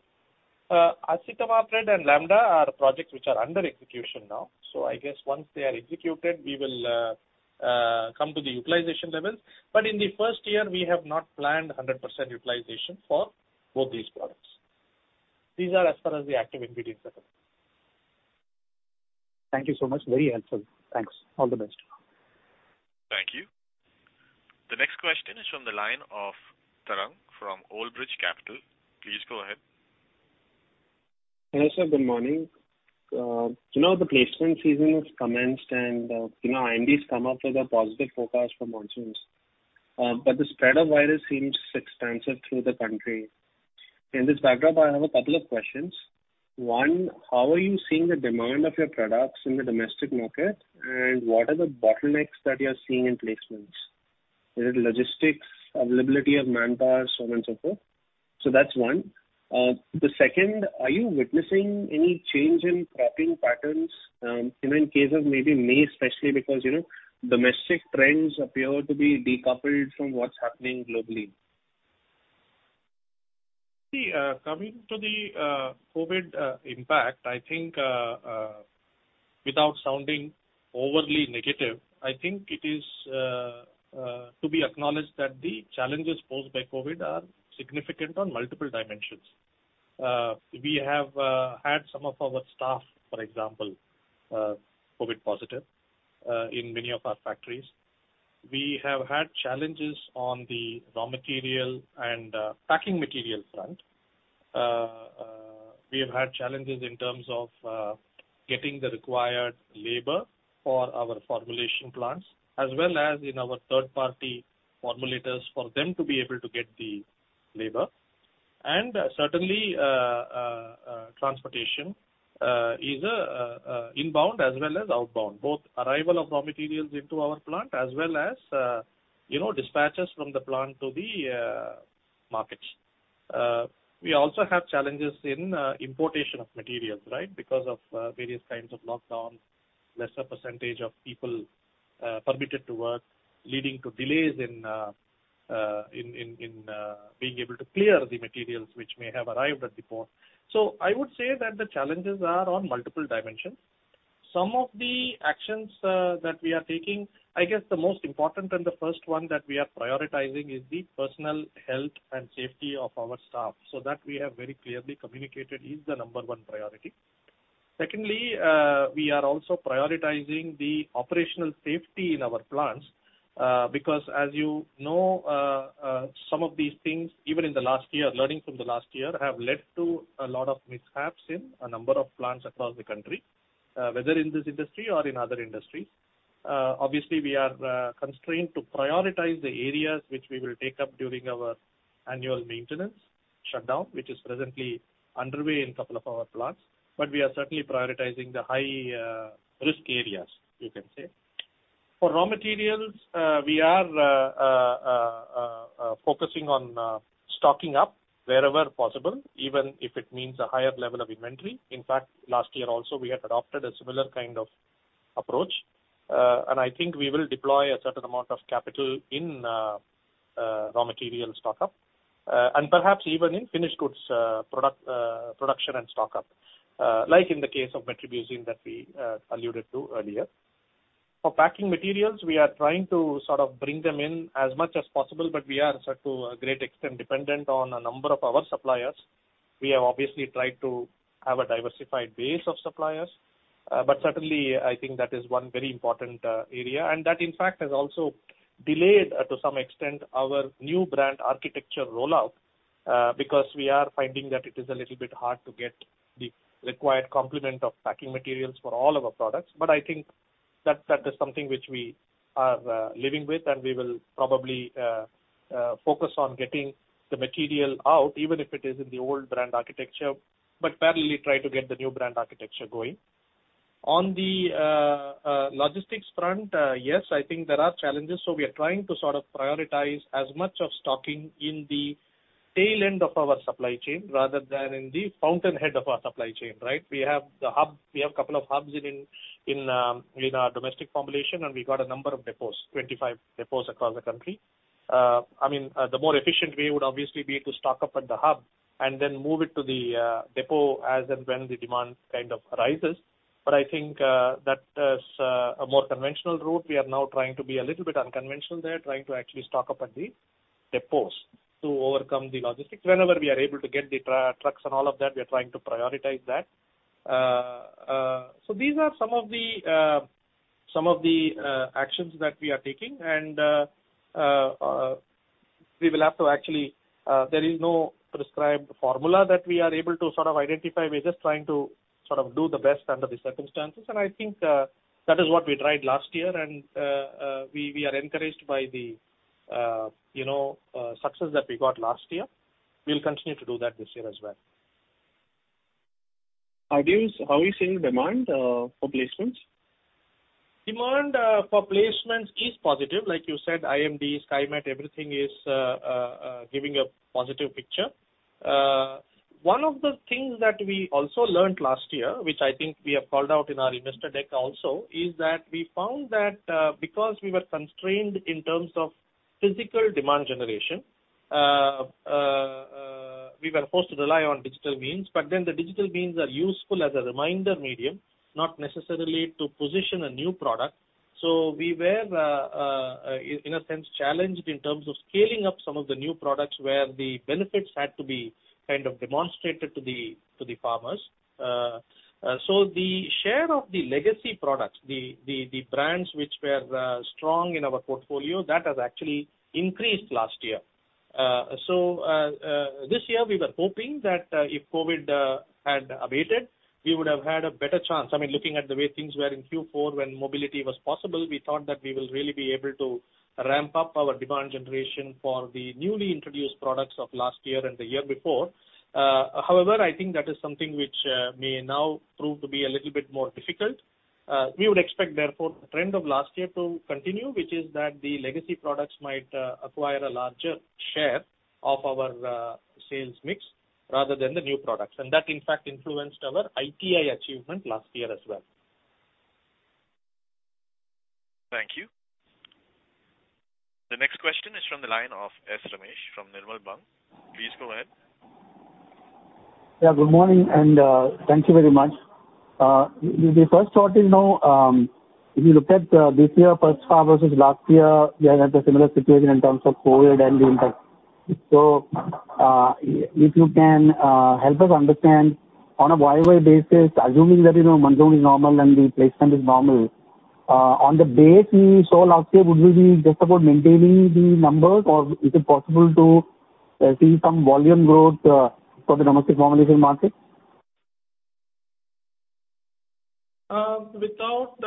Acetamiprid and Lambda are projects which are under execution now. I guess once they are executed, we will come to the utilization levels. In the first year, we have not planned 100% utilization for both these products. These are as far as the active ingredients are concerned. Thank you so much. Very helpful. Thanks. All the best. Thank you. The next question is from the line of Tarang from Old Bridge Capital. Please go ahead. Hey sir, good morning. Now the placement season is commenced and IMD has come up with a positive forecast for monsoons. The spread of COVID seems extensive through the country. In this backdrop, I have a couple of questions. One. How are you seeing the demand of your products in the domestic market, and what are the bottlenecks that you're seeing in placements? Is it logistics, availability of manpower, so on and so forth? That's one. The second. Are you witnessing any change in cropping patterns in case of maybe May, especially because domestic trends appear to be decoupled from what's happening globally? Coming to the COVID impact, I think without sounding overly negative, I think it is to be acknowledged that the challenges posed by COVID are significant on multiple dimensions. We have had some of our staff, for example, COVID positive in many of our factories. We have had challenges on the raw material and packing material front. We have had challenges in terms of getting the required labor for our formulation plants, as well as in our third-party formulators for them to be able to get the labor. Certainly, transportation, either inbound as well as outbound, both arrival of raw materials into our plant as well as dispatches from the plant to the markets. We also have challenges in importation of materials because of various kinds of lockdowns, lesser percentage of people permitted to work, leading to delays in being able to clear the materials which may have arrived at the port. I would say that the challenges are on multiple dimensions. Some of the actions that we are taking, I guess the most important and the first one that we are prioritizing is the personal health and safety of our staff. That we have very clearly communicated is the number 1 priority. Secondly. We are also prioritizing the operational safety in our plants, because as you know, some of these things, even in the last year, learning from the last year, have led to a lot of mishaps in a number of plants across the country, whether in this industry or in other industries. We are constrained to prioritize the areas which we will take up during our annual maintenance shutdown, which is presently underway in couple of our plants. We are certainly prioritizing the high-risk areas, you can say. For raw materials, we are focusing on stocking up wherever possible, even if it means a higher level of inventory. In fact, last year also, we had adopted a similar kind of approach. I think we will deploy a certain amount of capital in raw material stock-up, and perhaps even in finished goods production and stock-up, like in the case of metribuzin that we alluded to earlier. For packing materials, we are trying to sort of bring them in as much as possible, but we are sort of, to a great extent, dependent on a number of our suppliers. We have obviously tried to have a diversified base of suppliers. Certainly, I think that is one very important area, that, in fact, has also delayed, to some extent, our new brand architecture rollout, because we are finding that it is a little bit hard to get the required complement of packing materials for all of our products. I think that is something which we are living with, and we will probably focus on getting the material out, even if it is in the old brand architecture, but parallelly try to get the new brand architecture going. On the logistics front, yes, I think there are challenges. We are trying to sort of prioritize as much of stocking in the tail end of our supply chain rather than in the fountainhead of our supply chain. We have a couple of hubs in our domestic formulation, and we got a number of depots, 25 depots across the country. The more efficient way would obviously be to stock up at the hub and then move it to the depot as and when the demand kind of rises. I think that is a more conventional route. We are now trying to be a little bit unconventional there, trying to actually stock up at the depots to overcome the logistics. Whenever we are able to get the trucks and all of that, we are trying to prioritize that. These are some of the actions that we are taking, there is no prescribed formula that we are able to sort of identify. We're just trying to sort of do the best under the circumstances, and I think that is what we tried last year. We are encouraged by the success that we got last year. We'll continue to do that this year as well. How are you seeing demand for placements? Demand for placements is positive. Like you said, IMD, Skymet, everything is giving a positive picture. One of the things that we also learnt last year, which I think we have called out in our investor deck also, is that we found that because we were constrained in terms of physical demand generation, we were forced to rely on digital means. The digital means are useful as a reminder medium, not necessarily to position a new product. We were, in a sense, challenged in terms of scaling up some of the new products where the benefits had to be kind of demonstrated to the farmers. The share of the legacy products, the brands which were strong in our portfolio, that has actually increased last year. This year we were hoping that if COVID had abated, we would have had a better chance. Looking at the way things were in Q4 when mobility was possible, we thought that we will really be able to ramp up our demand generation for the newly introduced products of last year and the year before. However, I think that is something which may now prove to be a little bit more difficult. We would expect, therefore, the trend of last year to continue, which is that the legacy products might acquire a larger share of our sales mix rather than the new products. That, in fact, influenced our ITI achievement last year as well. Thank you. The next question is from the line of Ramesh Sankaranarayanan from Nirmal Bang. Please go ahead. Yeah. Good morning, and thank you very much. The first thought is, if you looked at this year first half versus last year, we had a similar situation in terms of COVID and the impact. If you can help us understand on a Y-o-Y basis, assuming that monsoon is normal and the placement is normal, on the base we saw last year, would we be just about maintaining the numbers, or is it possible to see some volume growth for the domestic formulation market? Without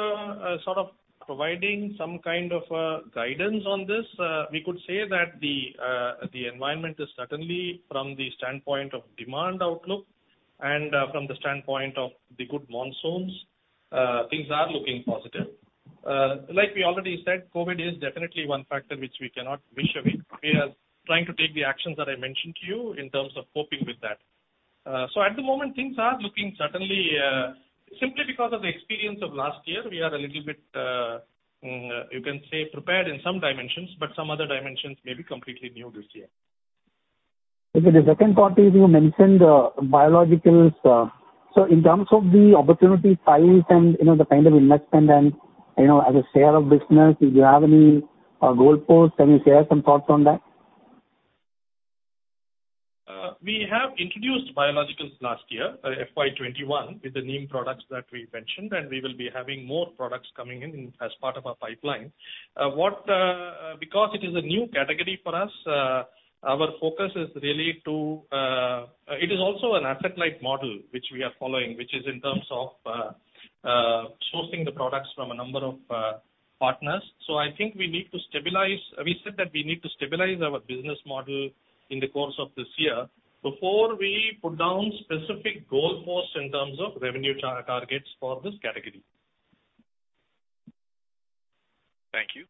providing some kind of guidance on this, we could say that the environment is certainly from the standpoint of demand outlook and from the standpoint of the good monsoons, things are looking positive. We already said, COVID is definitely one factor which we cannot wish away. We are trying to take the actions that I mentioned to you in terms of coping with that. At the moment, things are looking certainly, simply because of the experience of last year, we are a little bit prepared in some dimensions, but some other dimensions may be completely new this year. Okay. The second part is you mentioned biologicals. In terms of the opportunity size and the kind of investment and as a share of business, do you have any goalposts? Can you share some thoughts on that? We have introduced biologicals last year, FY 2021, with the new products that we mentioned, and we will be having more products coming in as part of our pipeline. Because it is a new category for us, It is also an asset-light model, which we are following, which is in terms of sourcing the products from a number of partners. I think we said that we need to stabilize our business model in the course of this year before we put down specific goalposts in terms of revenue targets for this category. Thank you.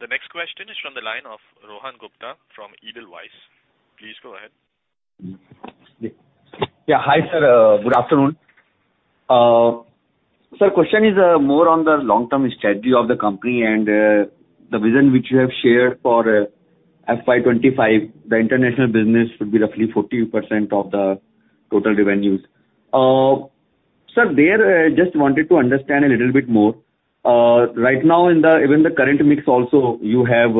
The next question is from the line of Rohan Gupta from Edelweiss. Please go ahead. Yeah. Hi, sir. Good afternoon. Sir, question is more on the long-term strategy of the company and the vision which you have shared for FY 2025. The international business should be roughly 40% of the total revenues. Sir, there, I just wanted to understand a little bit more. Right now, even in the current mix also, you have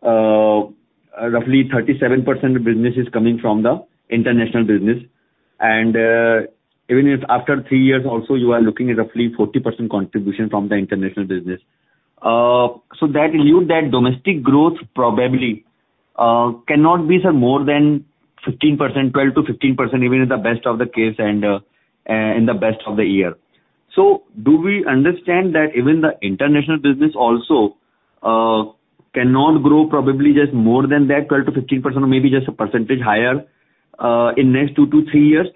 roughly 37% of business is coming from the international business. Even if after three years also, you are looking at roughly 40% contribution from the international business. That alludes that domestic growth probably cannot be, sir, more than 15%, 12%-15%, even in the best of the case and in the best of the year. Do we understand that even the international business also cannot grow probably just more than that 12%-15%, or maybe just a percentage higher in next two to three years?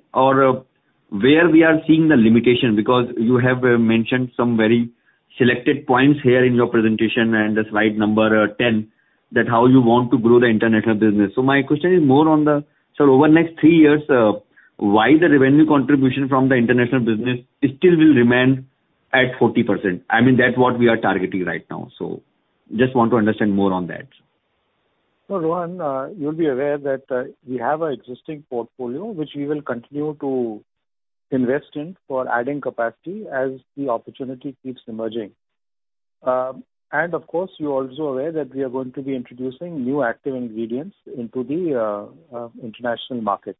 Where we are seeing the limitation, because you have mentioned some very selected points here in your presentation and the slide number 10, that how you want to grow the international business. My question is more on the, sir, over the next three years, why the revenue contribution from the international business still will remain at 40%? I mean, that's what we are targeting right now. Just want to understand more on that. Rohan, you will be aware that we have an existing portfolio, which we will continue to invest in for adding capacity as the opportunity keeps emerging. Of course, you are also aware that we are going to be introducing new active ingredients into the international market.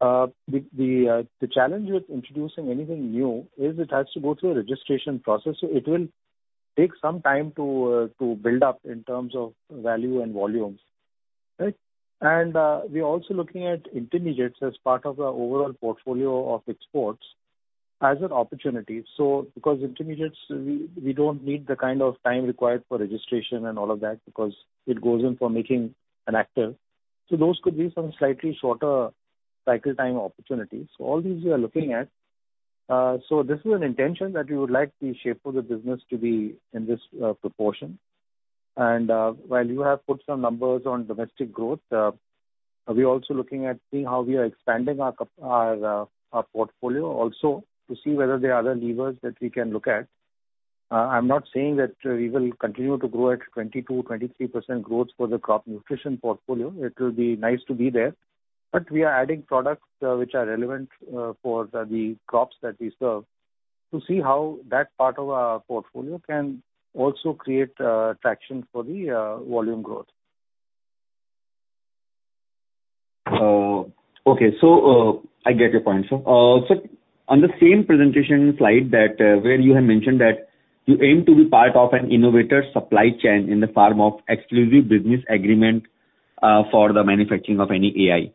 The challenge with introducing anything new is it has to go through a registration process, so it will take some time to build up in terms of value and volumes. Right? We are also looking at intermediates as part of our overall portfolio of exports as an opportunity. Because intermediates, we do not need the kind of time required for registration and all of that because it goes in for making an active. Those could be some slightly shorter cycle time opportunities. All these we are looking at. This is an intention that we would like the shape of the business to be in this proportion. While you have put some numbers on domestic growth, we are also looking at seeing how we are expanding our portfolio also to see whether there are other levers that we can look at. I am not saying that we will continue to grow at 22%, 23% growth for the crop nutrition portfolio. It will be nice to be there, but we are adding products which are relevant for the crops that we serve to see how that part of our portfolio can also create traction for the volume growth. Okay. I get your point, sir. On the same presentation slide where you have mentioned that you aim to be part of an innovator supply chain in the form of exclusive business agreement for the manufacturing of any AI.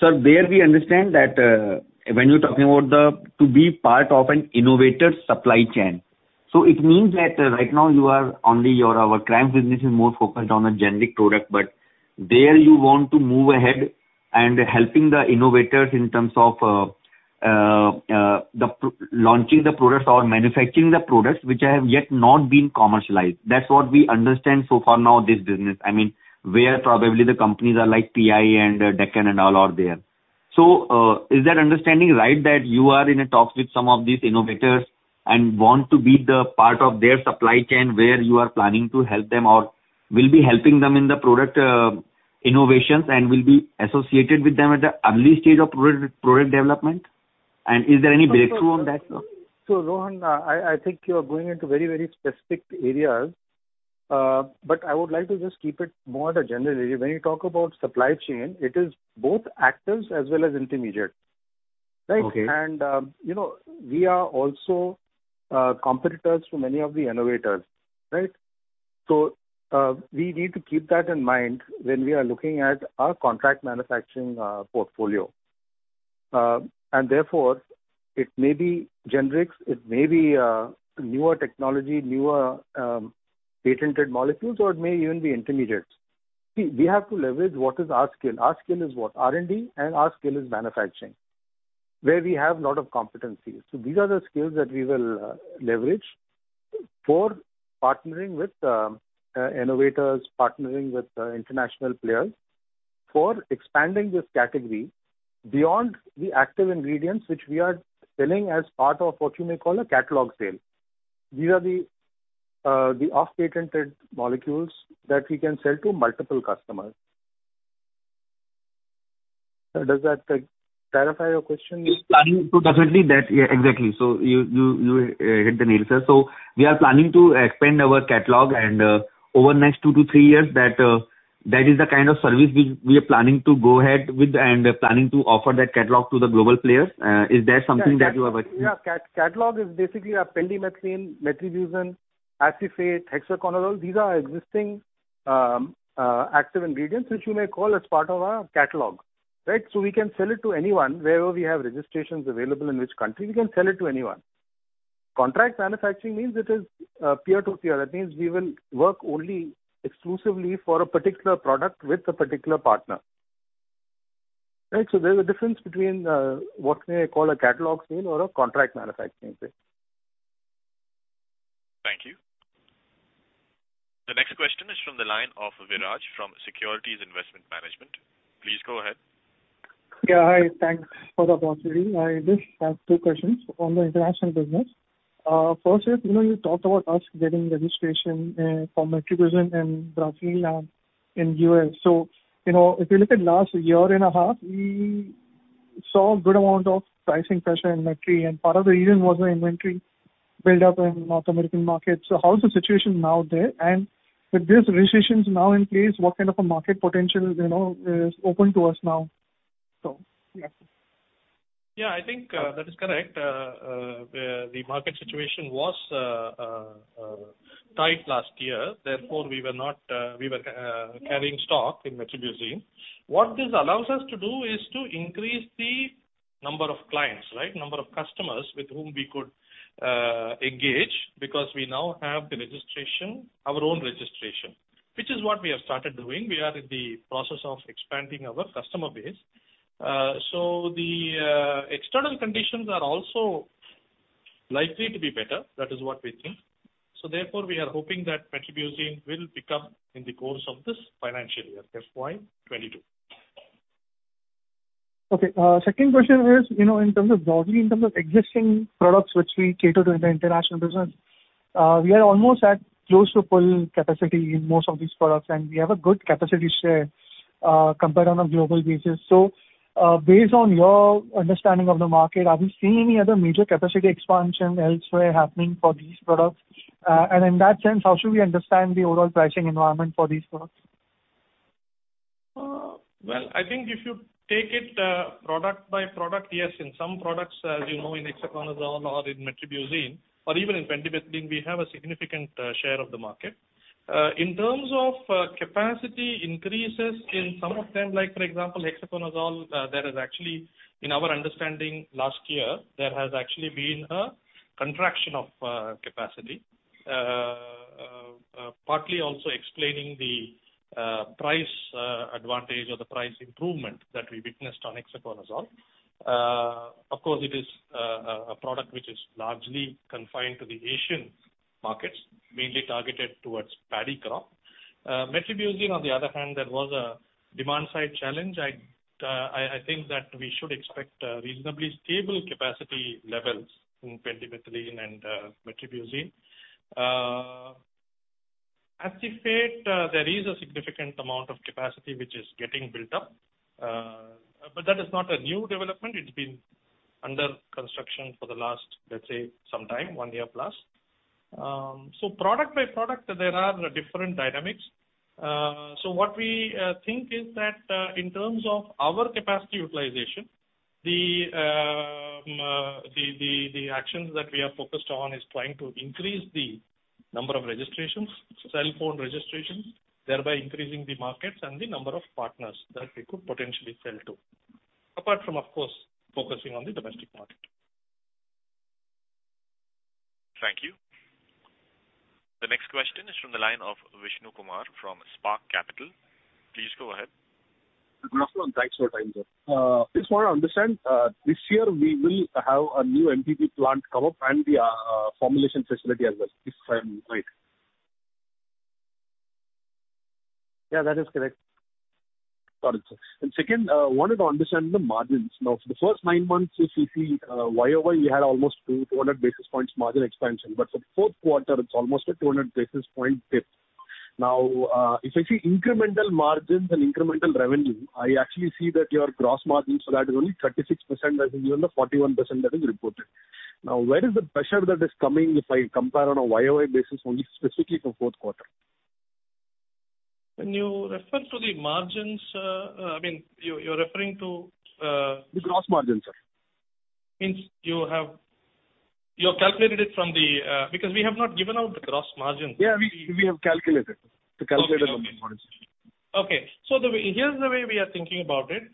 Sir, there we understand that when you are talking about to be part of an innovator supply chain. It means that right now our clients business is more focused on a generic product, but there you want to move ahead and helping the innovators in terms of launching the products or manufacturing the products which have yet not been commercialized. That's what we understand so far. Now, this business, I mean, where probably the companies are like PI and Deccan and all are there. Is that understanding right, that you are in talks with some of these innovators and want to be the part of their supply chain where you are planning to help them or will be helping them in the product innovations and will be associated with them at the early stage of product development? Is there any breakthrough on that, sir? Rohan, I think you are going into very specific areas, but I would like to just keep it more at a general area. When you talk about supply chain, it is both actives as well as intermediates. Right? Okay. We are also competitors to many of the innovators, right? We need to keep that in mind when we are looking at our contract manufacturing portfolio. Therefore it may be generics, it may be newer technology, newer patented molecules, or it may even be intermediates. We have to leverage what is our skill. Our skill is what? R&D and our skill is manufacturing, where we have lot of competencies. These are the skills that we will leverage for partnering with innovators, partnering with international players for expanding this category beyond the active ingredients, which we are selling as part of what you may call a catalog sale. These are the off-patented molecules that we can sell to multiple customers. Sir, does that clarify your question? Definitely. Exactly. You hit the nail, sir. We are planning to expand our catalog and over the next two to three years, that is the kind of service we are planning to go ahead with and planning to offer that catalog to the global players. Is that something that you are- Yeah. Catalog is basically a pendimethalin, metribuzin, acephate, hexaconazole. These are existing active ingredients which you may call as part of our catalog. We can sell it to anyone. Wherever we have registrations available in which country, we can sell it to anyone. Contract manufacturing means it is peer-to-peer. That means we will work only exclusively for a particular product with a particular partner. There's a difference between what may I call a catalog sale or a contract manufacturing sale. Thank you. The next question is from the line of Viraj from Securities Investment Management. Please go ahead. Yeah, hi. Thanks for the opportunity. I just have two questions on the international business. First is, you talked about us getting registration for metribuzin in Brazil and in U.S. If you look at last year and a half, we saw a good amount of pricing pressure in metribuzin, and part of the reason was the inventory build-up in North American markets. How is the situation now there? With these registrations now in place, what kind of a market potential is open to us now? Yeah, I think that is correct. The market situation was tight last year. Therefore, we were carrying stock in metribuzin. What this allows us to do is to increase the number of clients. Number of customers with whom we could engage because we now have our own registration. Which is what we have started doing. We are in the process of expanding our customer base. The external conditions are also likely to be better. That is what we think. Therefore, we are hoping that metribuzin will pick up in the course of this financial year, FY 2022. Okay. Second question is, broadly in terms of existing products which we cater to in the international business, we are almost at close to full capacity in most of these products, and we have a good capacity share, compared on a global basis. Based on your understanding of the market, are we seeing any other major capacity expansion elsewhere happening for these products? In that sense, how should we understand the overall pricing environment for these products? Well, I think if you take it product by product, yes. In some products, as you know, in hexaconazole or in metribuzin or even in pendimethalin, we have a significant share of the market. In terms of capacity increases in some of them, like for example, hexaconazole, in our understanding last year, there has actually been a contraction of capacity. Partly also explaining the price advantage or the price improvement that we witnessed on hexaconazole. Of course, it is a product which is largely confined to the Asian markets, mainly targeted towards paddy crop. Metribuzin on the other hand, there was a demand-side challenge. I think that we should expect reasonably stable capacity levels in pendimethalin and metribuzin. Acephate, there is a significant amount of capacity which is getting built up. That is not a new development. It's been under construction for the last, let's say, some time, one year plus. Product by product, there are different dynamics. What we think is that in terms of our capacity utilization, the actions that we are focused on is trying to increase the number of registrations, self-owned registrations, thereby increasing the markets and the number of partners that we could potentially sell to. Apart from, of course, focusing on the domestic market. Thank you. The next question is from the line of Vishnu Kumar from Spark Capital. Please go ahead. Good afternoon. Thanks for your time, sir. Just want to understand, this year we will have a new MPP plant come up and the formulation facility as well. Please correct me if I am right. Yeah, that is correct. Got it, sir. Second, I wanted to understand the margins. For the first nine months, if you see Y-o-Y, you had almost 200 basis points margin expansion. For the fourth quarter, it's almost a 200 basis point dip. If I see incremental margins and incremental revenue, I actually see that your gross margins for that is only 36% as given the 41% that is reported. Where is the pressure that is coming if I compare on a Y-o-Y basis only specifically for fourth quarter? When you refer to the margins, you're referring to- The gross margin, sir. Because we have not given out the gross margin. Yeah, we have calculated. Okay. Here's the way we are thinking about it.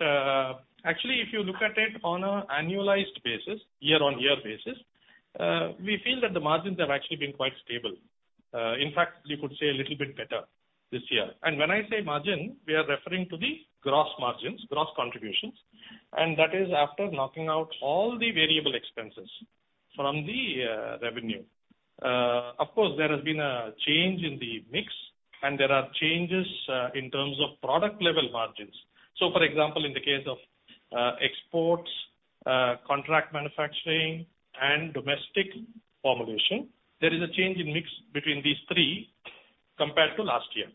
Actually, if you look at it on an annualized basis, year-on-year basis, we feel that the margins have actually been quite stable. In fact, you could say a little bit better this year. When I say margin, we are referring to the gross margins, gross contributions, and that is after knocking out all the variable expenses from the revenue. Of course, there has been a change in the mix, and there are changes in terms of product level margins. For example, in the case of exports, contract manufacturing and domestic formulation, there is a change in mix between these three compared to last year.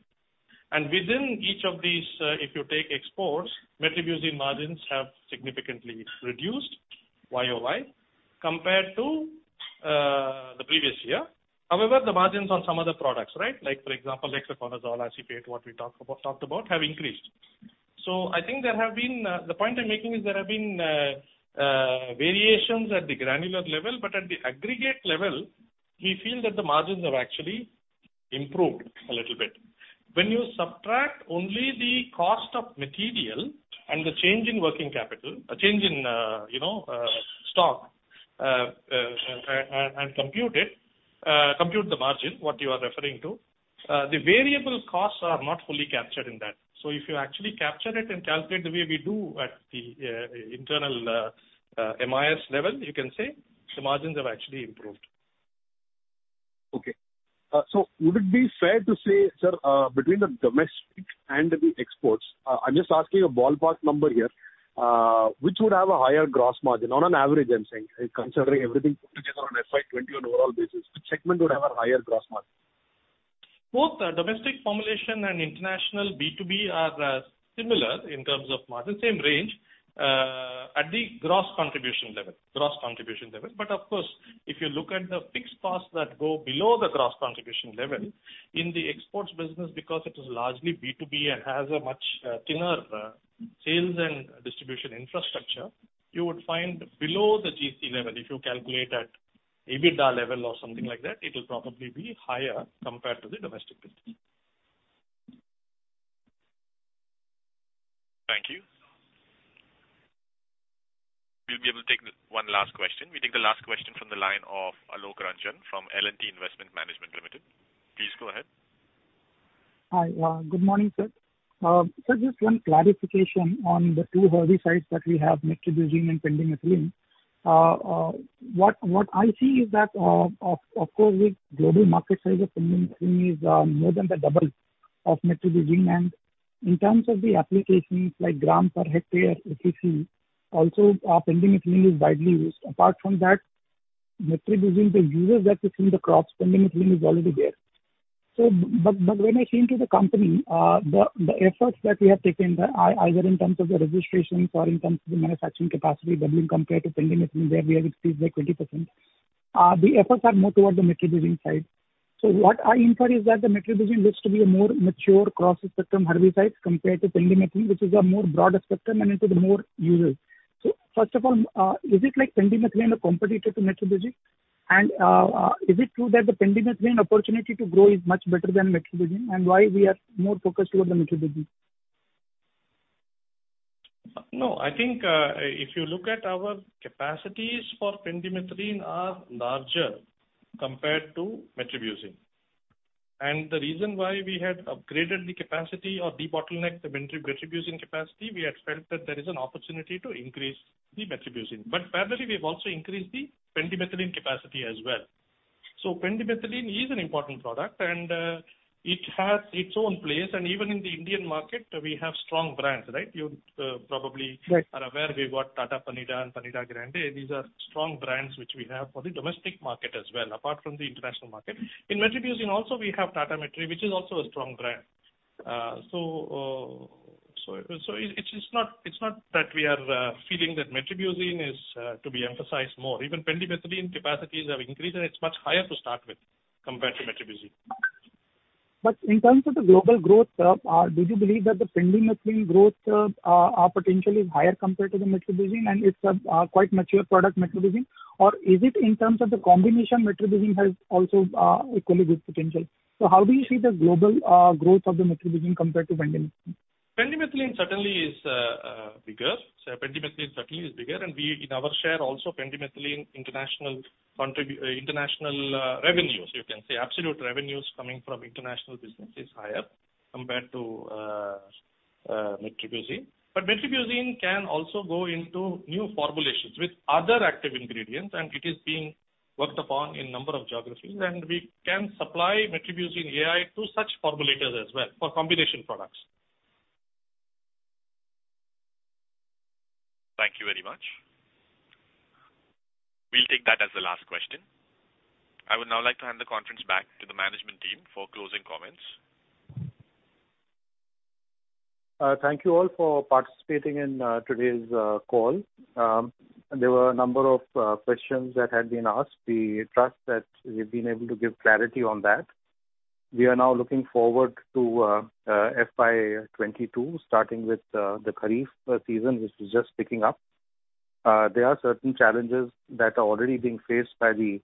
Within each of these, if you take exports, metribuzin margins have significantly reduced Y-o-Y compared to the previous year. However, the margins on some other products, like for example, epoxiconazole, acephate, what we talked about, have increased. The point I'm making is there have been variations at the granular level, but at the aggregate level, we feel that the margins have actually improved a little bit. When you subtract only the cost of material and the change in working capital, a change in stock, and compute the margin, what you are referring to, the variable costs are not fully captured in that. If you actually capture it and calculate the way we do at the internal MIS level, you can say the margins have actually improved. Okay. Would it be fair to say, sir, between the domestic and the exports, I'm just asking a ballpark number here, which would have a higher gross margin on an average, I'm saying, considering everything put together on FY 2020 on overall basis, which segment would have a higher gross margin? Both domestic formulation and international B2B are similar in terms of margin, same range, at the gross contribution level. Of course, if you look at the fixed costs that go below the gross contribution level in the exports business, because it is largely B2B and has a much thinner sales and distribution infrastructure, you would find below the GC level, if you calculate at EBITDA level or something like that, it will probably be higher compared to the domestic business. Thank you. We'll be able to take one last question. We take the last question from the line of Alok Ranjan from L&T Investment Management Limited. Please go ahead. Hi. Good morning, sir. Sir, just one clarification on the two herbicides that we have, metribuzin and pendimethalin. What I see is that, of course, with global market size of pendimethalin is more than the double of metribuzin. In terms of the applications like gram per hectare, if you see, also pendimethalin is widely used. Apart from that, metribuzin, the usage that is in the crops, pendimethalin is already there. When I came to the company, the efforts that we have taken, either in terms of the registration or in terms of the manufacturing capacity building compared to pendimethalin, where we have increased by 20%. The efforts are more towards the metribuzin side. What I infer is that the metribuzin looks to be a more mature across the spectrum herbicides compared to pendimethalin, which is a more broader spectrum and it has more usage. First of all, is it like pendimethalin a competitor to metribuzin? Is it true that the pendimethalin opportunity to grow is much better than metribuzin? Why we are more focused toward the metribuzin? No, I think if you look at our capacities for pendimethalin are larger compared to metribuzin. The reason why we had upgraded the capacity or debottlenecked the metribuzin capacity, we had felt that there is an opportunity to increase the metribuzin. Parallelly, we have also increased the pendimethalin capacity as well. Pendimethalin is an important product, and it has its own place. Even in the Indian market, we have strong brands. You probably- Right are aware we've got Tata Panida and Panida Grande. These are strong brands which we have for the domestic market as well, apart from the international market. In metribuzin also, we have Tata Metri, which is also a strong brand. It's not that we are feeling that metribuzin is to be emphasized more. Even pendimethalin capacities have increased, and it's much higher to start with compared to metribuzin. In terms of the global growth curve, do you believe that the pendimethalin growth curve potential is higher compared to the metribuzin, and it's a quite mature product, metribuzin? Is it in terms of the combination metribuzin has also equally good potential? How do you see the global growth of the metribuzin compared to pendimethalin? Pendimethalin certainly is bigger, in our share also pendimethalin international revenues, you can say absolute revenues coming from international business is higher compared to metribuzin. Metribuzin can also go into new formulations with other active ingredients, it is being worked upon in a number of geographies. We can supply metribuzin AI to such formulators as well for combination products. Thank you very much. We'll take that as the last question. I would now like to hand the conference back to the management team for closing comments. Thank you all for participating in today's call. There were a number of questions that had been asked. We trust that we've been able to give clarity on that. We are now looking forward to FY 2022, starting with the kharif season, which is just picking up. There are certain challenges that are already being faced by the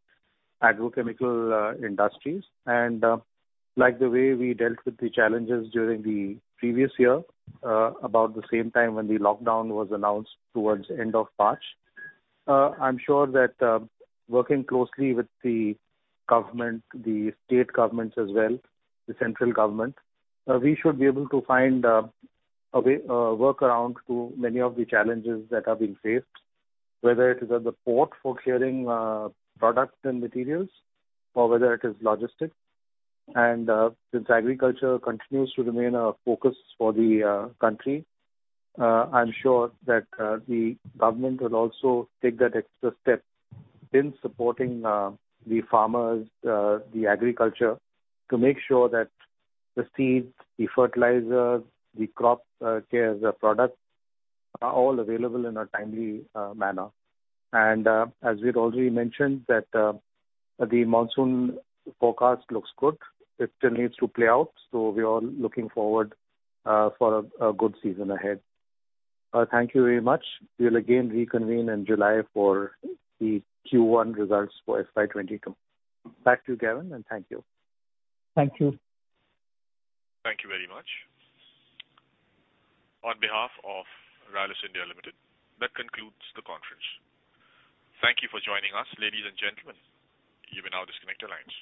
agrochemical industries. Like the way we dealt with the challenges during the previous year, about the same time when the lockdown was announced towards end of March. I'm sure that working closely with the government, the state governments as well, the central government, we should be able to find a workaround to many of the challenges that are being faced, whether it is at the port for clearing products and materials, or whether it is logistics. Since agriculture continues to remain a focus for the country, I'm sure that the government will also take that extra step in supporting the farmers, the agriculture, to make sure that the seeds, the fertilizers, the crop care products are all available in a timely manner. As we'd already mentioned that the monsoon forecast looks good. It still needs to play out, we are looking forward for a good season ahead. Thank you very much. We'll again reconvene in July for the Q1 results for FY 2022. Back to you, Gavin, and thank you. Thank you. Thank you very much. On behalf of Rallis India Limited, that concludes the conference. Thank you for joining us, ladies and gentlemen. You may now disconnect your lines.